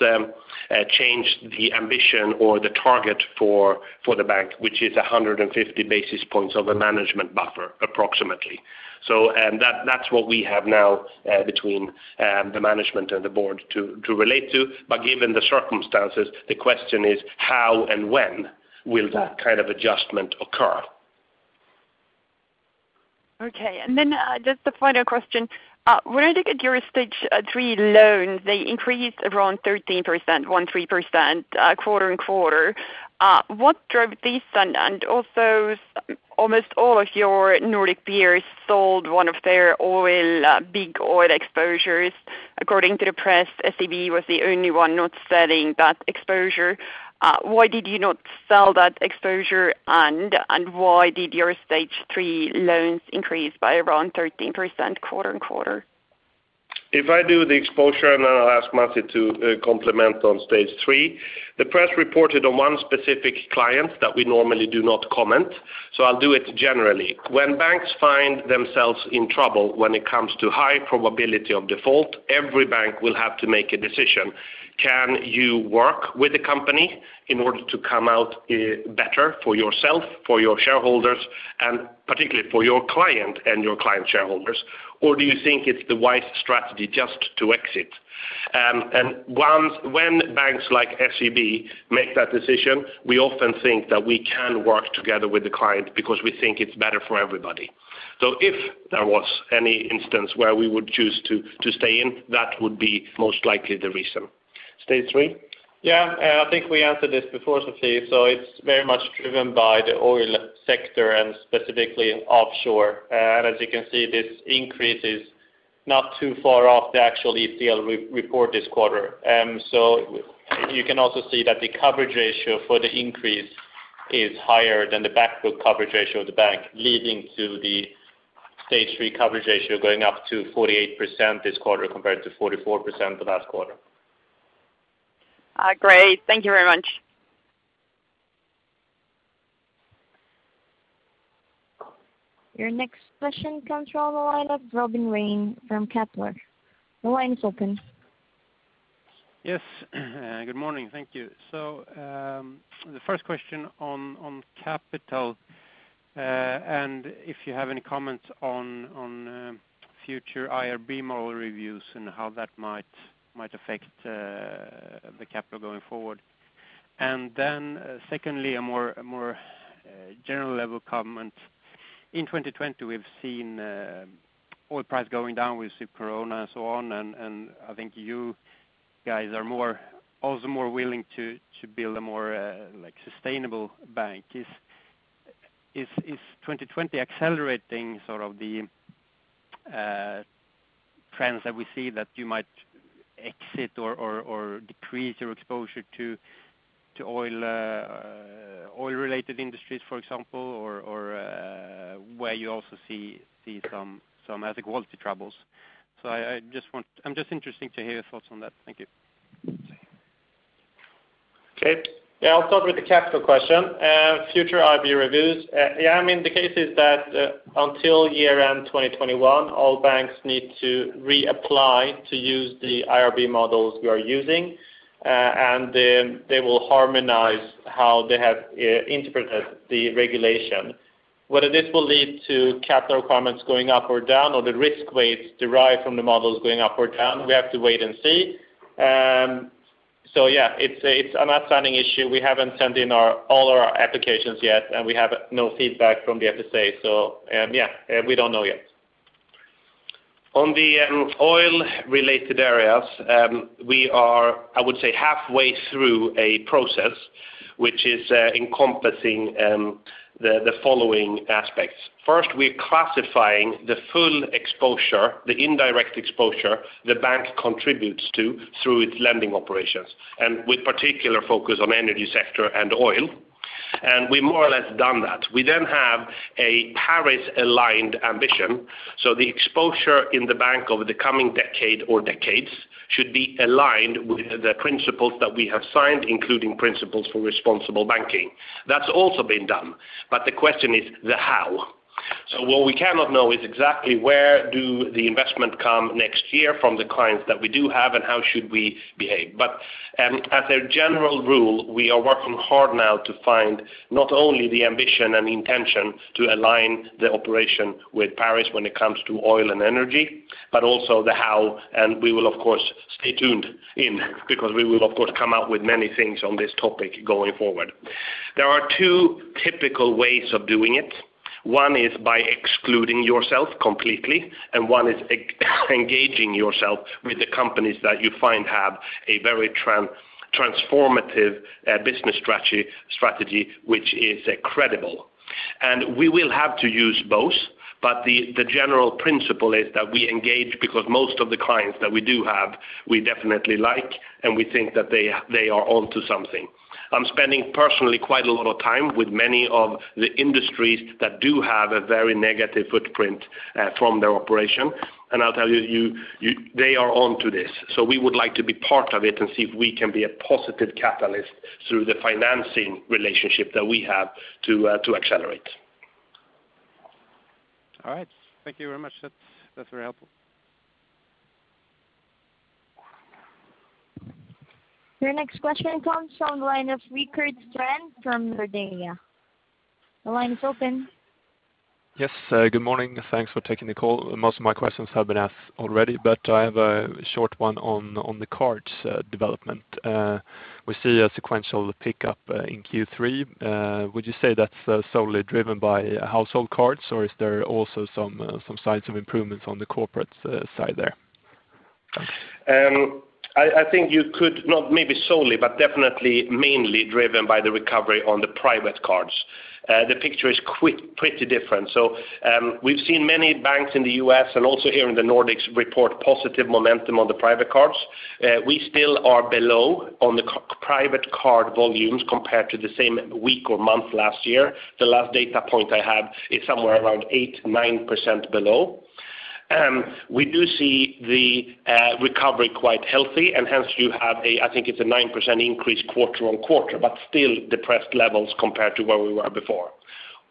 changed the ambition or the target for the bank, which is 150 basis points of a management buffer, approximately. That's what we have now between the management and the board to relate to. Given the circumstances, the question is how and when will that kind of adjustment occur? Okay. Just the final question. When I look at your Stage 3 loans, they increased around 13%, 13%, quarter-on-quarter. What drove this? Almost all of your Nordic peers sold one of their big oil exposures. According to the press, SEB was the only one not selling that exposure. Why did you not sell that exposure, and why did your Stage 3 loans increase by around 13% quarter-on-quarter? If I do the exposure, and then I'll ask Masih to complement on Stage 3. The press reported on one specific client that we normally do not comment, so I'll do it generally. When banks find themselves in trouble when it comes to high probability of default, every bank will have to make a decision. Can you work with the company in order to come out better for yourself, for your shareholders, and particularly for your client and your client shareholders? Do you think it's the wise strategy just to exit? When banks like SEB make that decision, we often think that we can work together with the client because we think it's better for everybody. If there was any instance where we would choose to stay in, that would be most likely the reason. Stage 3? Yeah. I think we answered this before, Sofie. It's very much driven by the oil sector and specifically offshore. As you can see, this increase is not too far off the actual ECL report this quarter. You can also see that the coverage ratio for the increase is higher than the back book coverage ratio of the bank, leading to the Stage 3 coverage ratio going up to 48% this quarter, compared to 44% the last quarter. Great. Thank you very much. Your next question comes from the line of Robin Rane from Kepler. The line's open. Yes. Good morning. Thank you. The first question on capital, and if you have any comments on future IRB model reviews and how that might affect the capital going forward. Secondly, a more general level comment. In 2020, we've seen oil price going down. We've seen Corona and so on, I think you guys are also more willing to build a more sustainable bank. Is 2020 accelerating the trends that we see that you might exit or decrease your exposure to oil-related industries, for example, or where you also see some asset quality troubles? I'm just interested to hear your thoughts on that. Thank you. Okay. I'll start with the capital question. Future IRB reviews. The case is that until year-end 2021, all banks need to reapply to use the IRB models we are using. They will harmonize how they have interpreted the regulation. Whether this will lead to capital requirements going up or down, or the risk weights derived from the models going up or down, we have to wait and see. Yes, it's an outstanding issue. We haven't sent in all our applications yet, and we have no feedback from the FSA. Yes, we don't know yet. On the oil-related areas, we are, I would say, halfway through a process which is encompassing the following aspects. First, we're classifying the full exposure, the indirect exposure the bank contributes to through its lending operations, and with particular focus on energy sector and oil. We more or less done that. We have a Paris-aligned ambition. The exposure in the bank over the coming decade or decades should be aligned with the principles that we have signed, including Principles for Responsible Banking. That's also been done. The question is the how. What we cannot know is exactly where do the investment come next year from the clients that we do have, and how should we behave. As a general rule, we are working hard now to find not only the ambition and intention to align the operation with Paris when it comes to oil and energy, but also the how, and we will, of course, stay tuned in because we will of course, come out with many things on this topic going forward. There are two typical ways of doing it. One is by excluding yourself completely, and one is engaging yourself with the companies that you find have a very transformative business strategy which is credible. We will have to use both. The general principle is that we engage because most of the clients that we do have, we definitely like, and we think that they are onto something. I'm spending personally quite a lot of time with many of the industries that do have a very negative footprint from their operation. I'll tell you, they are on to this. We would like to be part of it and see if we can be a positive catalyst through the financing relationship that we have to accelerate. All right. Thank you very much. That's very helpful. Your next question comes from the line of Rickard Strand from Nordea. The line is open. Yes. Good morning. Thanks for taking the call. Most of my questions have been asked already, but I have a short one on the cards development. We see a sequential pickup in Q3. Would you say that's solely driven by household cards, or is there also some signs of improvements on the corporate side there? I think you could, not maybe solely, but definitely mainly driven by the recovery on the private cards. The picture is pretty different. We've seen many banks in the U.S. and also here in the Nordics report positive momentum on the private cards. We still are below on the private card volumes compared to the same week or month last year. The last data point I have is somewhere around 8%-9% below. We do see the recovery quite healthy, and hence you have, I think it's a 9% increase quarter-on-quarter, but still depressed levels compared to where we were before.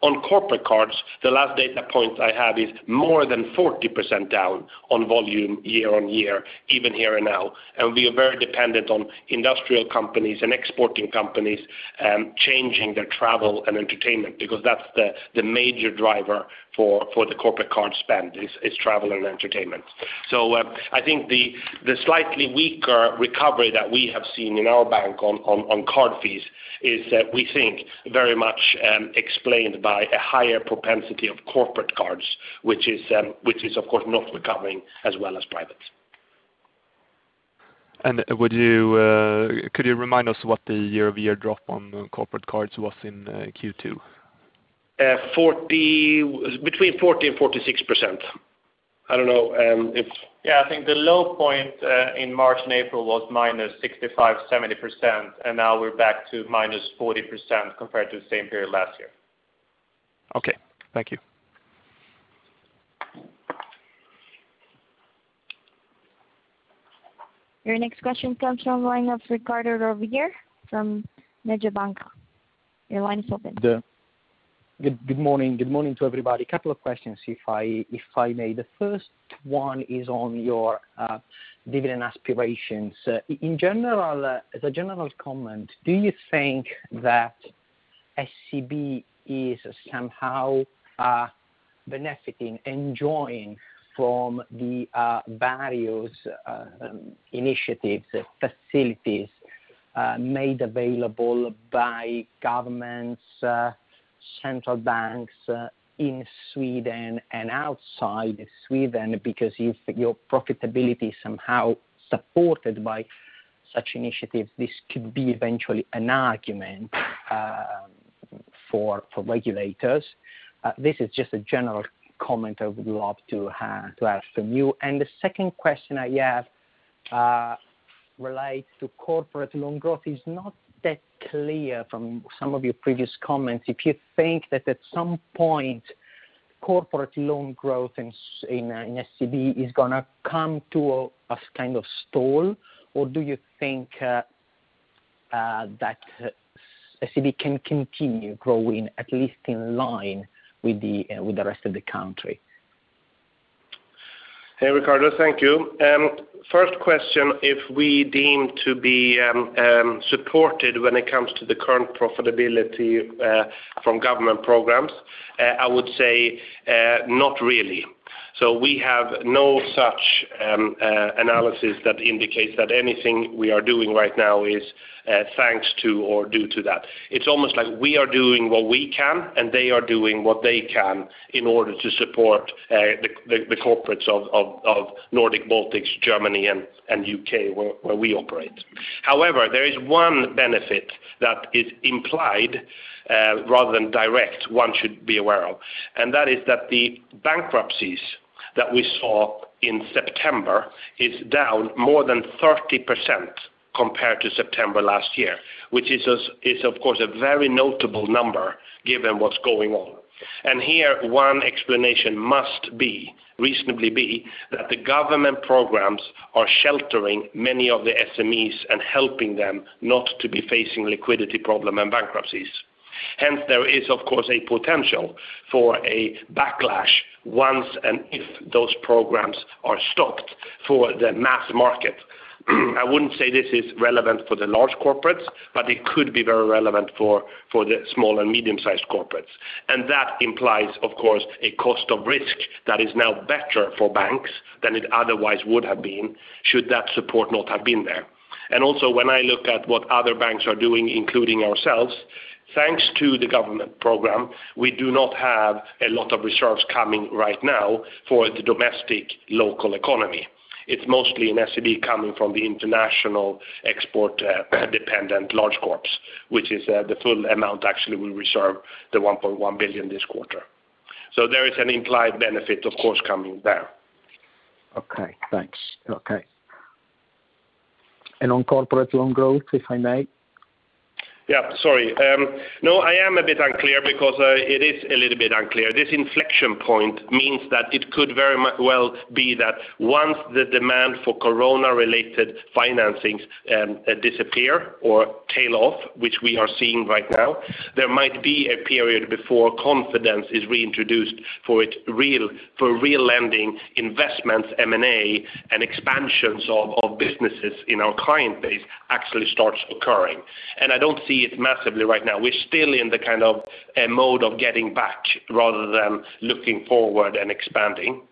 On corporate cards, the last data point I have is more than 40% down on volume year-on-year, even here and now. We are very dependent on industrial companies and exporting companies changing their travel and entertainment because that's the major driver for the corporate card spend is travel and entertainment. I think the slightly weaker recovery that we have seen in our bank on card fees is we think very much explained by a higher propensity of corporate cards, which is of course not recovering as well as private. Could you remind us what the year-over-year drop on corporate cards was in Q2? Between 40 and 46%. Yes, I think the low point in March and April was -65%, -70%, and now we're back to -40% compared to the same period last year. Okay. Thank you. Your next question comes from the line of Riccardo Rovere from Mediobanca. Your line is open. Good morning. Good morning to everybody. Couple of questions, if I may. The first one is on your dividend aspirations. As a general comment, do you think that SEB is somehow benefiting, enjoying from the various initiatives, facilities made available by governments, central banks in Sweden and outside Sweden? If your profitability is somehow supported by such initiatives, this could be eventually an argument for regulators. This is just a general comment I would love to ask from you. The second question I have relates to corporate loan growth. It's not that clear from some of your previous comments if you think that at some point, corporate loan growth in SEB is going to come to a stall, or do you think that SEB can continue growing at least in line with the rest of the country? Hey, Riccardo. Thank you. First question, if we deem to be supported when it comes to the current profitability from government programs, I would say not really. We have no such analysis that indicates that anything we are doing right now is thanks to or due to that. It's almost like we are doing what we can, and they are doing what they can in order to support the corporates of Nordic, Baltics, Germany, and U.K., where we operate. However, there is one benefit that is implied rather than direct, one should be aware of, and that is that the bankruptcies that we saw in September is down more than 30% compared to September last year, which is of course, a very notable number given what's going on. Here, one explanation must reasonably be that the government programs are sheltering many of the SMEs and helping them not to be facing liquidity problem and bankruptcies. There is, of course, a potential for a backlash once and if those programs are stopped for the mass market. I wouldn't say this is relevant for the large corporates, but it could be very relevant for the small and medium-sized corporates. That implies, of course, a cost of risk that is now better for banks than it otherwise would have been should that support not have been there. Also when I look at what other banks are doing, including ourselves, thanks to the government program, we do not have a lot of reserves coming right now for the domestic local economy. It's mostly in SEB coming from the international export-dependent large corps, which is the full amount actually we reserve the 1.1 billion this quarter. There is an implied benefit, of course, coming there. Okay, thanks. On corporate loan growth, if I may? Sorry. No, I am a bit unclear because it is a little bit unclear. This inflection point means that it could very well be that once the demand for corona-related financings disappear or tail off, which we are seeing right now, there might be a period before confidence is reintroduced for real lending investments, M&A, and expansions of businesses in our client base actually starts occurring. I don't see it massively right now. We're still in the mode of getting back rather than looking forward and expanding.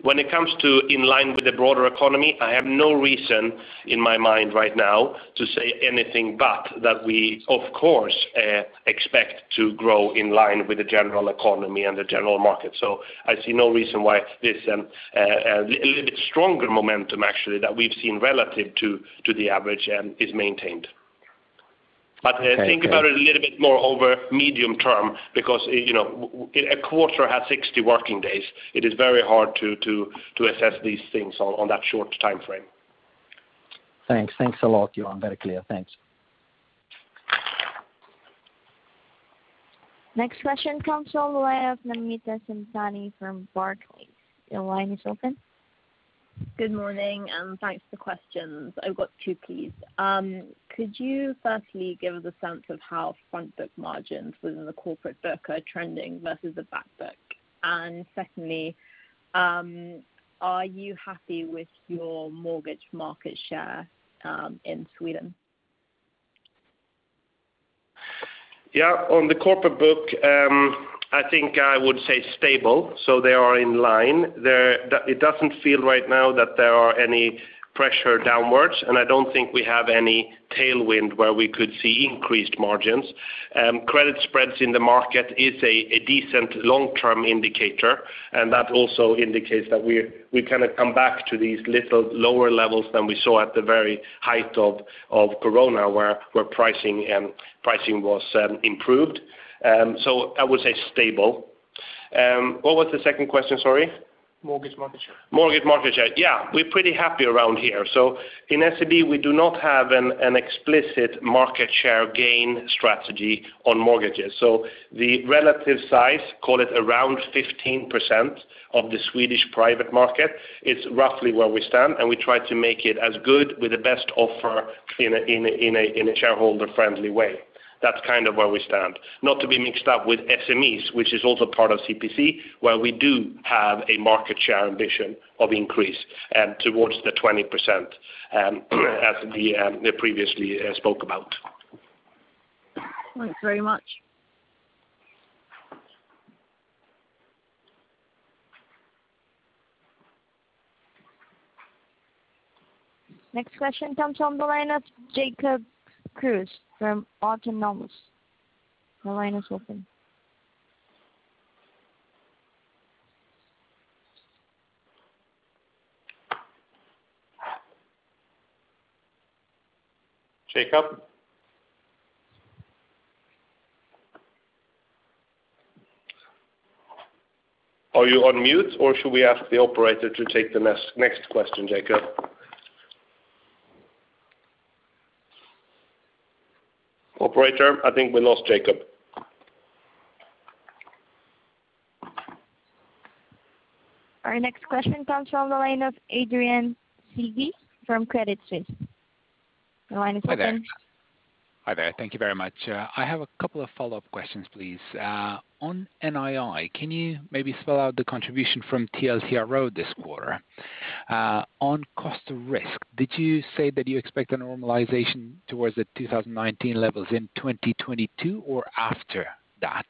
When it comes to in line with the broader economy, I have no reason in my mind right now to say anything but that we of course expect to grow in line with the general economy and the general market. I see no reason why this a little bit stronger momentum, actually, that we've seen relative to the average is maintained. Okay. Think about it a little bit more over medium term because a quarter has 60 working days. It is very hard to assess these things on that short timeframe. Thanks. Thanks a lot, Johan. Very clear. Thanks. Next question comes from the line of Namita Samtani from Barclays. Your line is open. Good morning. Thanks for questions. I've got two, please. Could you firstly give us a sense of how front book margins within the corporate book are trending versus the back book? Secondly, are you happy with your mortgage market share in Sweden? Yeah. On the corporate book, I think I would say stable, they are in line. It doesn't feel right now that there are any pressure downwards, I don't think we have any tailwind where we could see increased margins. Credit spreads in the market is a decent long-term indicator, that also indicates that we've come back to these little lower levels than we saw at the very height of corona, where pricing was improved. I would say stable. What was the second question? Sorry. Mortgage market share. Mortgage market share. Yeah. We're pretty happy around here. In SEB, we do not have an explicit market share gain strategy on mortgages. The relative size, call it around 15% of the Swedish private market, it's roughly where we stand, and we try to make it as good with the best offer in a shareholder-friendly way. That's where we stand. Not to be mixed up with SMEs, which is also part of CPC, where we do have a market share ambition of increase towards the 20%, as we previously spoke about. Thanks very much. Next question comes on the line of Jacob Kruse from Autonomous. Your line is open. Jacob? Are you on mute, or should we ask the operator to take the next question, Jacob? Operator, I think we lost Jacob. Our next question comes from the line of Adrian Cighi from Credit Suisse. The line is open. Hi there. Thank you very much. I have a couple of follow-up questions, please. On NII, can you maybe spell out the contribution from TLTRO this quarter? On cost of risk, did you say that you expect a normalization towards the 2019 levels in 2022 or after that?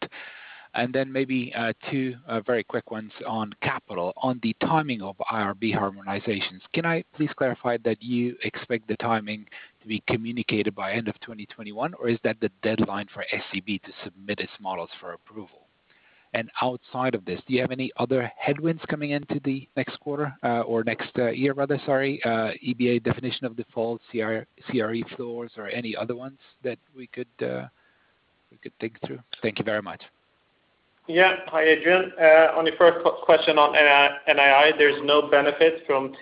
Maybe two very quick ones on capital. On the timing of IRB harmonizations, can I please clarify that you expect the timing to be communicated by end of 2021, or is that the deadline for SEB to submit its models for approval? Outside of this, do you have any other headwinds coming into the next quarter or next year rather, sorry EBA definition of default, CRE floors or any other ones that we could dig through? Thank you very much. Yeah. Hi, Adrian. On your first question on NII, there's no benefit from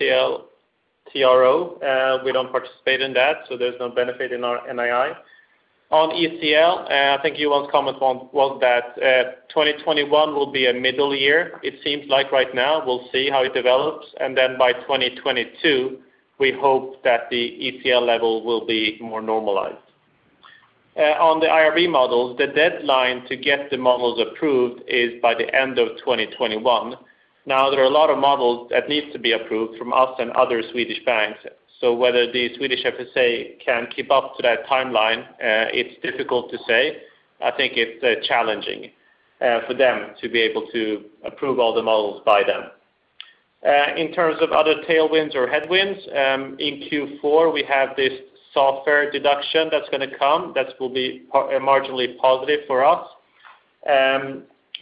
TLTRO. We don't participate in that. There's no benefit in our NII. On ECL, I think Johan's comment was that 2021 will be a middle year, it seems like right now. We'll see how it develops. By 2022, we hope that the ECL level will be more normalized. On the IRB models, the deadline to get the models approved is by the end of 2021. Now, there are a lot of models that needs to be approved from us and other Swedish banks. Whether the Swedish FSA can keep up to that timeline, it's difficult to say. I think it's challenging for them to be able to approve all the models by then. In terms of other tailwinds or headwinds, in Q4, we have this software deduction that's going to come that will be marginally positive for us.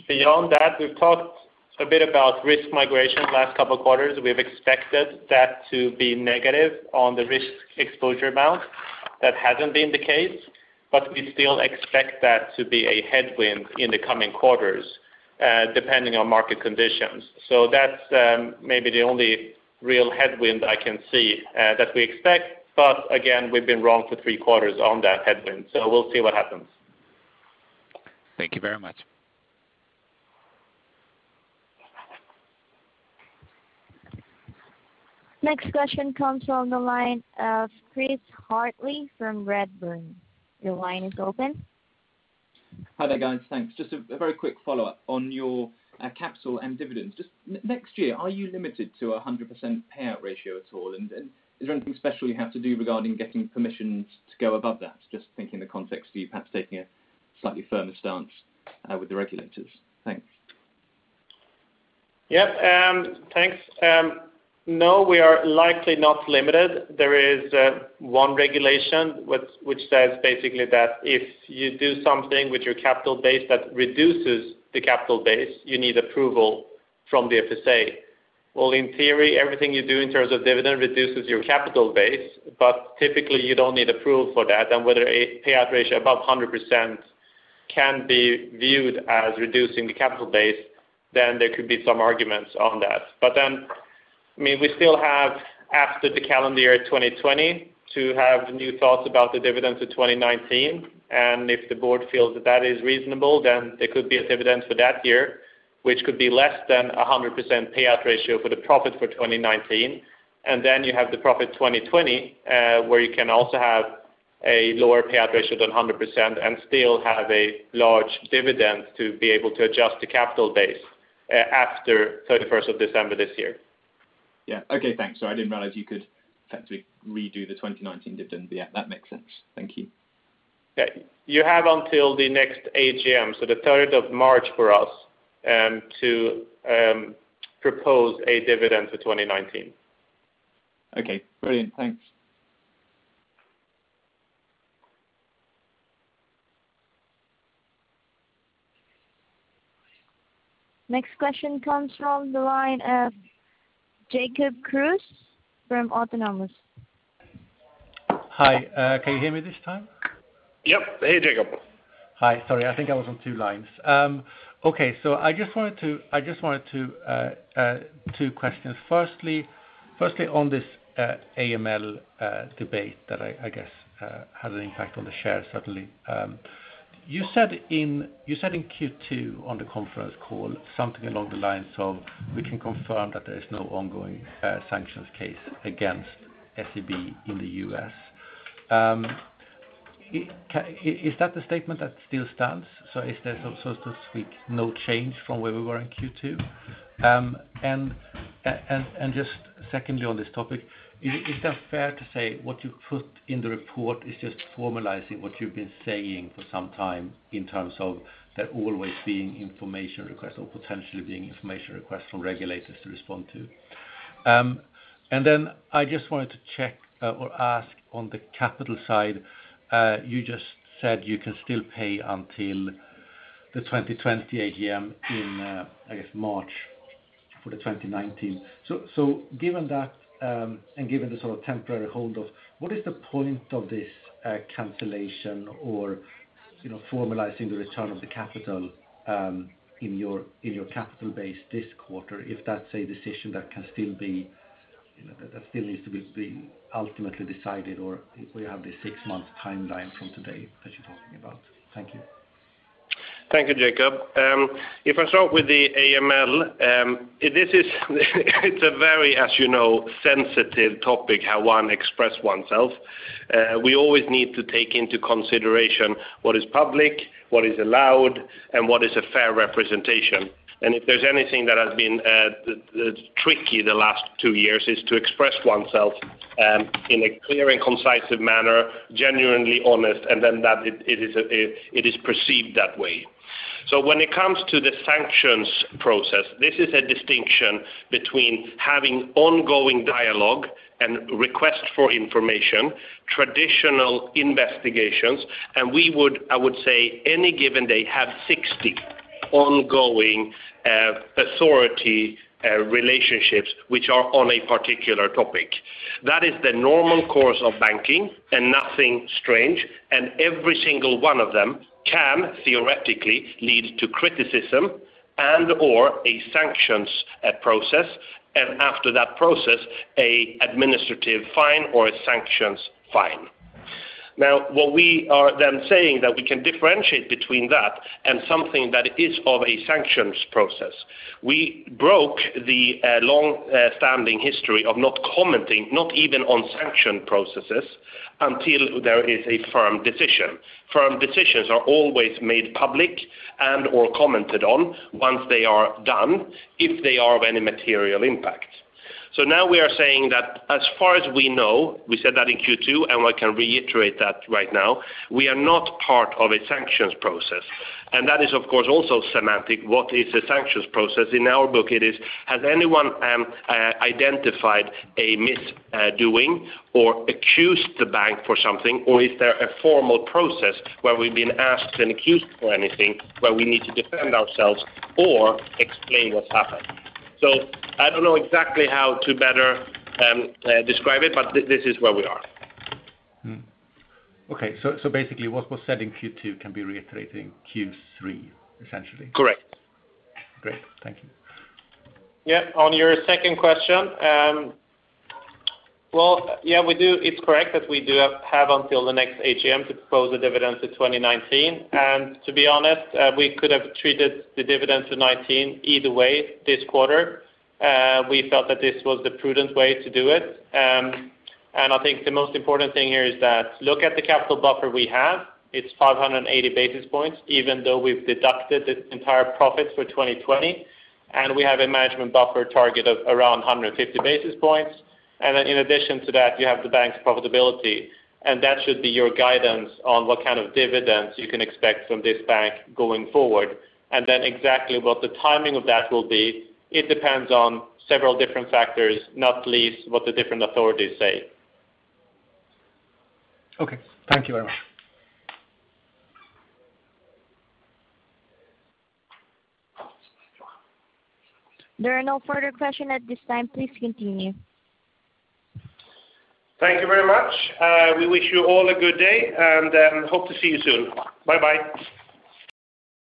Beyond that, we've talked a bit about risk migration the last couple of quarters. We've expected that to be negative on the risk exposure amount. That hasn't been the case, but we still expect that to be a headwind in the coming quarters, depending on market conditions. That's maybe the only real headwind I can see that we expect. Again, we've been wrong for three quarters on that headwind, so we'll see what happens. Thank you very much. Next question comes from the line of Chris Hartley from Redburn. Your line is open. Hi there, guys. Thanks. Just a very quick follow-up on your capital and dividends. Just next year, are you limited to 100% payout ratio at all? Is there anything special you have to do regarding getting permissions to go above that? Just thinking the context of you perhaps taking a slightly firmer stance with the regulators. Thanks. Yep. Thanks. No, we are likely not limited. There is one regulation which says basically that if you do something with your capital base that reduces the capital base, you need approval from the FSA. Well, in theory, everything you do in terms of dividend reduces your capital base, but typically you don't need approval for that. Whether a payout ratio above 100% can be viewed as reducing the capital base, then there could be some arguments on that. We still have after the calendar year 2020 to have new thoughts about the dividends of 2019, and if the board feels that is reasonable, then there could be a dividend for that year, which could be less than 100% payout ratio for the profit for 2019. You have the profit 2020, where you can also have a lower payout ratio than 100% and still have a large dividend to be able to adjust the capital base after 31st of December this year. Yeah. Okay, thanks. I didn't realize you could technically redo the 2019 dividend. Yeah, that makes sense. Thank you. Okay. You have until the next AGM, so the 3rd of March for us, to propose a dividend for 2019. Okay, brilliant. Thanks. Next question comes from the line of Jacob Kruse from Autonomous. Hi. Can you hear me this time? Yep. Hey, Jacob. Hi. Sorry, I think I was on two lines. I just wanted to two questions. Firstly, on this AML debate that I guess had an impact on the share, certainly. You said in Q2 on the conference call something along the lines of we can confirm that there is no ongoing sanctions case against SEB in the U.S. Is that the statement that still stands? Is there, so to speak, no change from where we were in Q2? Just secondly on this topic, is that fair to say what you put in the report is just formalizing what you've been saying for some time in terms of there always being information requests or potentially being information requests from regulators to respond to? I just wanted to check or ask on the capital side, you just said you can still pay until the 2020 AGM in, I guess, March for the 2019. Given that, and given the sort of temporary hold, what is the point of this cancellation or formalizing the return of the capital in your capital base this quarter, if that's a decision that still needs to be ultimately decided, or we have this six-month timeline from today that you're talking about. Thank you. Thank you, Jacob. If I start with the AML, it's a very, as you know, sensitive topic how one expresses oneself. We always need to take into consideration what is public, what is allowed, and what is a fair representation. If there's anything that has been tricky the last two years, it's to express oneself in a clear and concise manner, genuinely honest, and then that it is perceived that way. When it comes to the sanctions process, this is a distinction between having ongoing dialogue and requests for information, traditional investigations, and we would, I would say, any given day have 60 ongoing authority relationships which are on a particular topic. That is the normal course of banking and nothing strange. Every single one of them can theoretically lead to criticism and/or a sanctions process, and after that process, a administrative fine or a sanctions fine. What we are then saying that we can differentiate between that and something that is of a sanctions process. We broke the long-standing history of not commenting, not even on sanction processes, until there is a firm decision. Firm decisions are always made public and/or commented on once they are done if they are of any material impact. Now we are saying that as far as we know, we said that in Q2, and we can reiterate that right now, we are not part of a sanctions process. That is, of course, also semantic. What is a sanctions process? In our book, it is has anyone identified a misdoing or accused the bank for something, or is there a formal process where we've been asked and accused for anything where we need to defend ourselves or explain what's happened. I don't know exactly how to better describe it, but this is where we are. Okay. Basically what was said in Q2 can be reiterated in Q3, essentially. Correct. Great. Thank you. On your second question, it is correct that we do have until the next AGM to propose a dividend to 2019. To be honest, we could have treated the dividend to 2019 either way this quarter. We felt that this was the prudent way to do it. I think the most important thing here is that look at the capital buffer we have. It is 580 basis points, even though we have deducted the entire profit for 2020, and we have a management buffer target of around 150 basis points. In addition to that, you have the bank's profitability, and that should be your guidance on what kind of dividends you can expect from this bank going forward. Exactly what the timing of that will be, it depends on several different factors, not least what the different authorities say. Okay. Thank you very much. There are no further questions at this time. Please continue. Thank you very much. We wish you all a good day, and hope to see you soon. Bye-bye.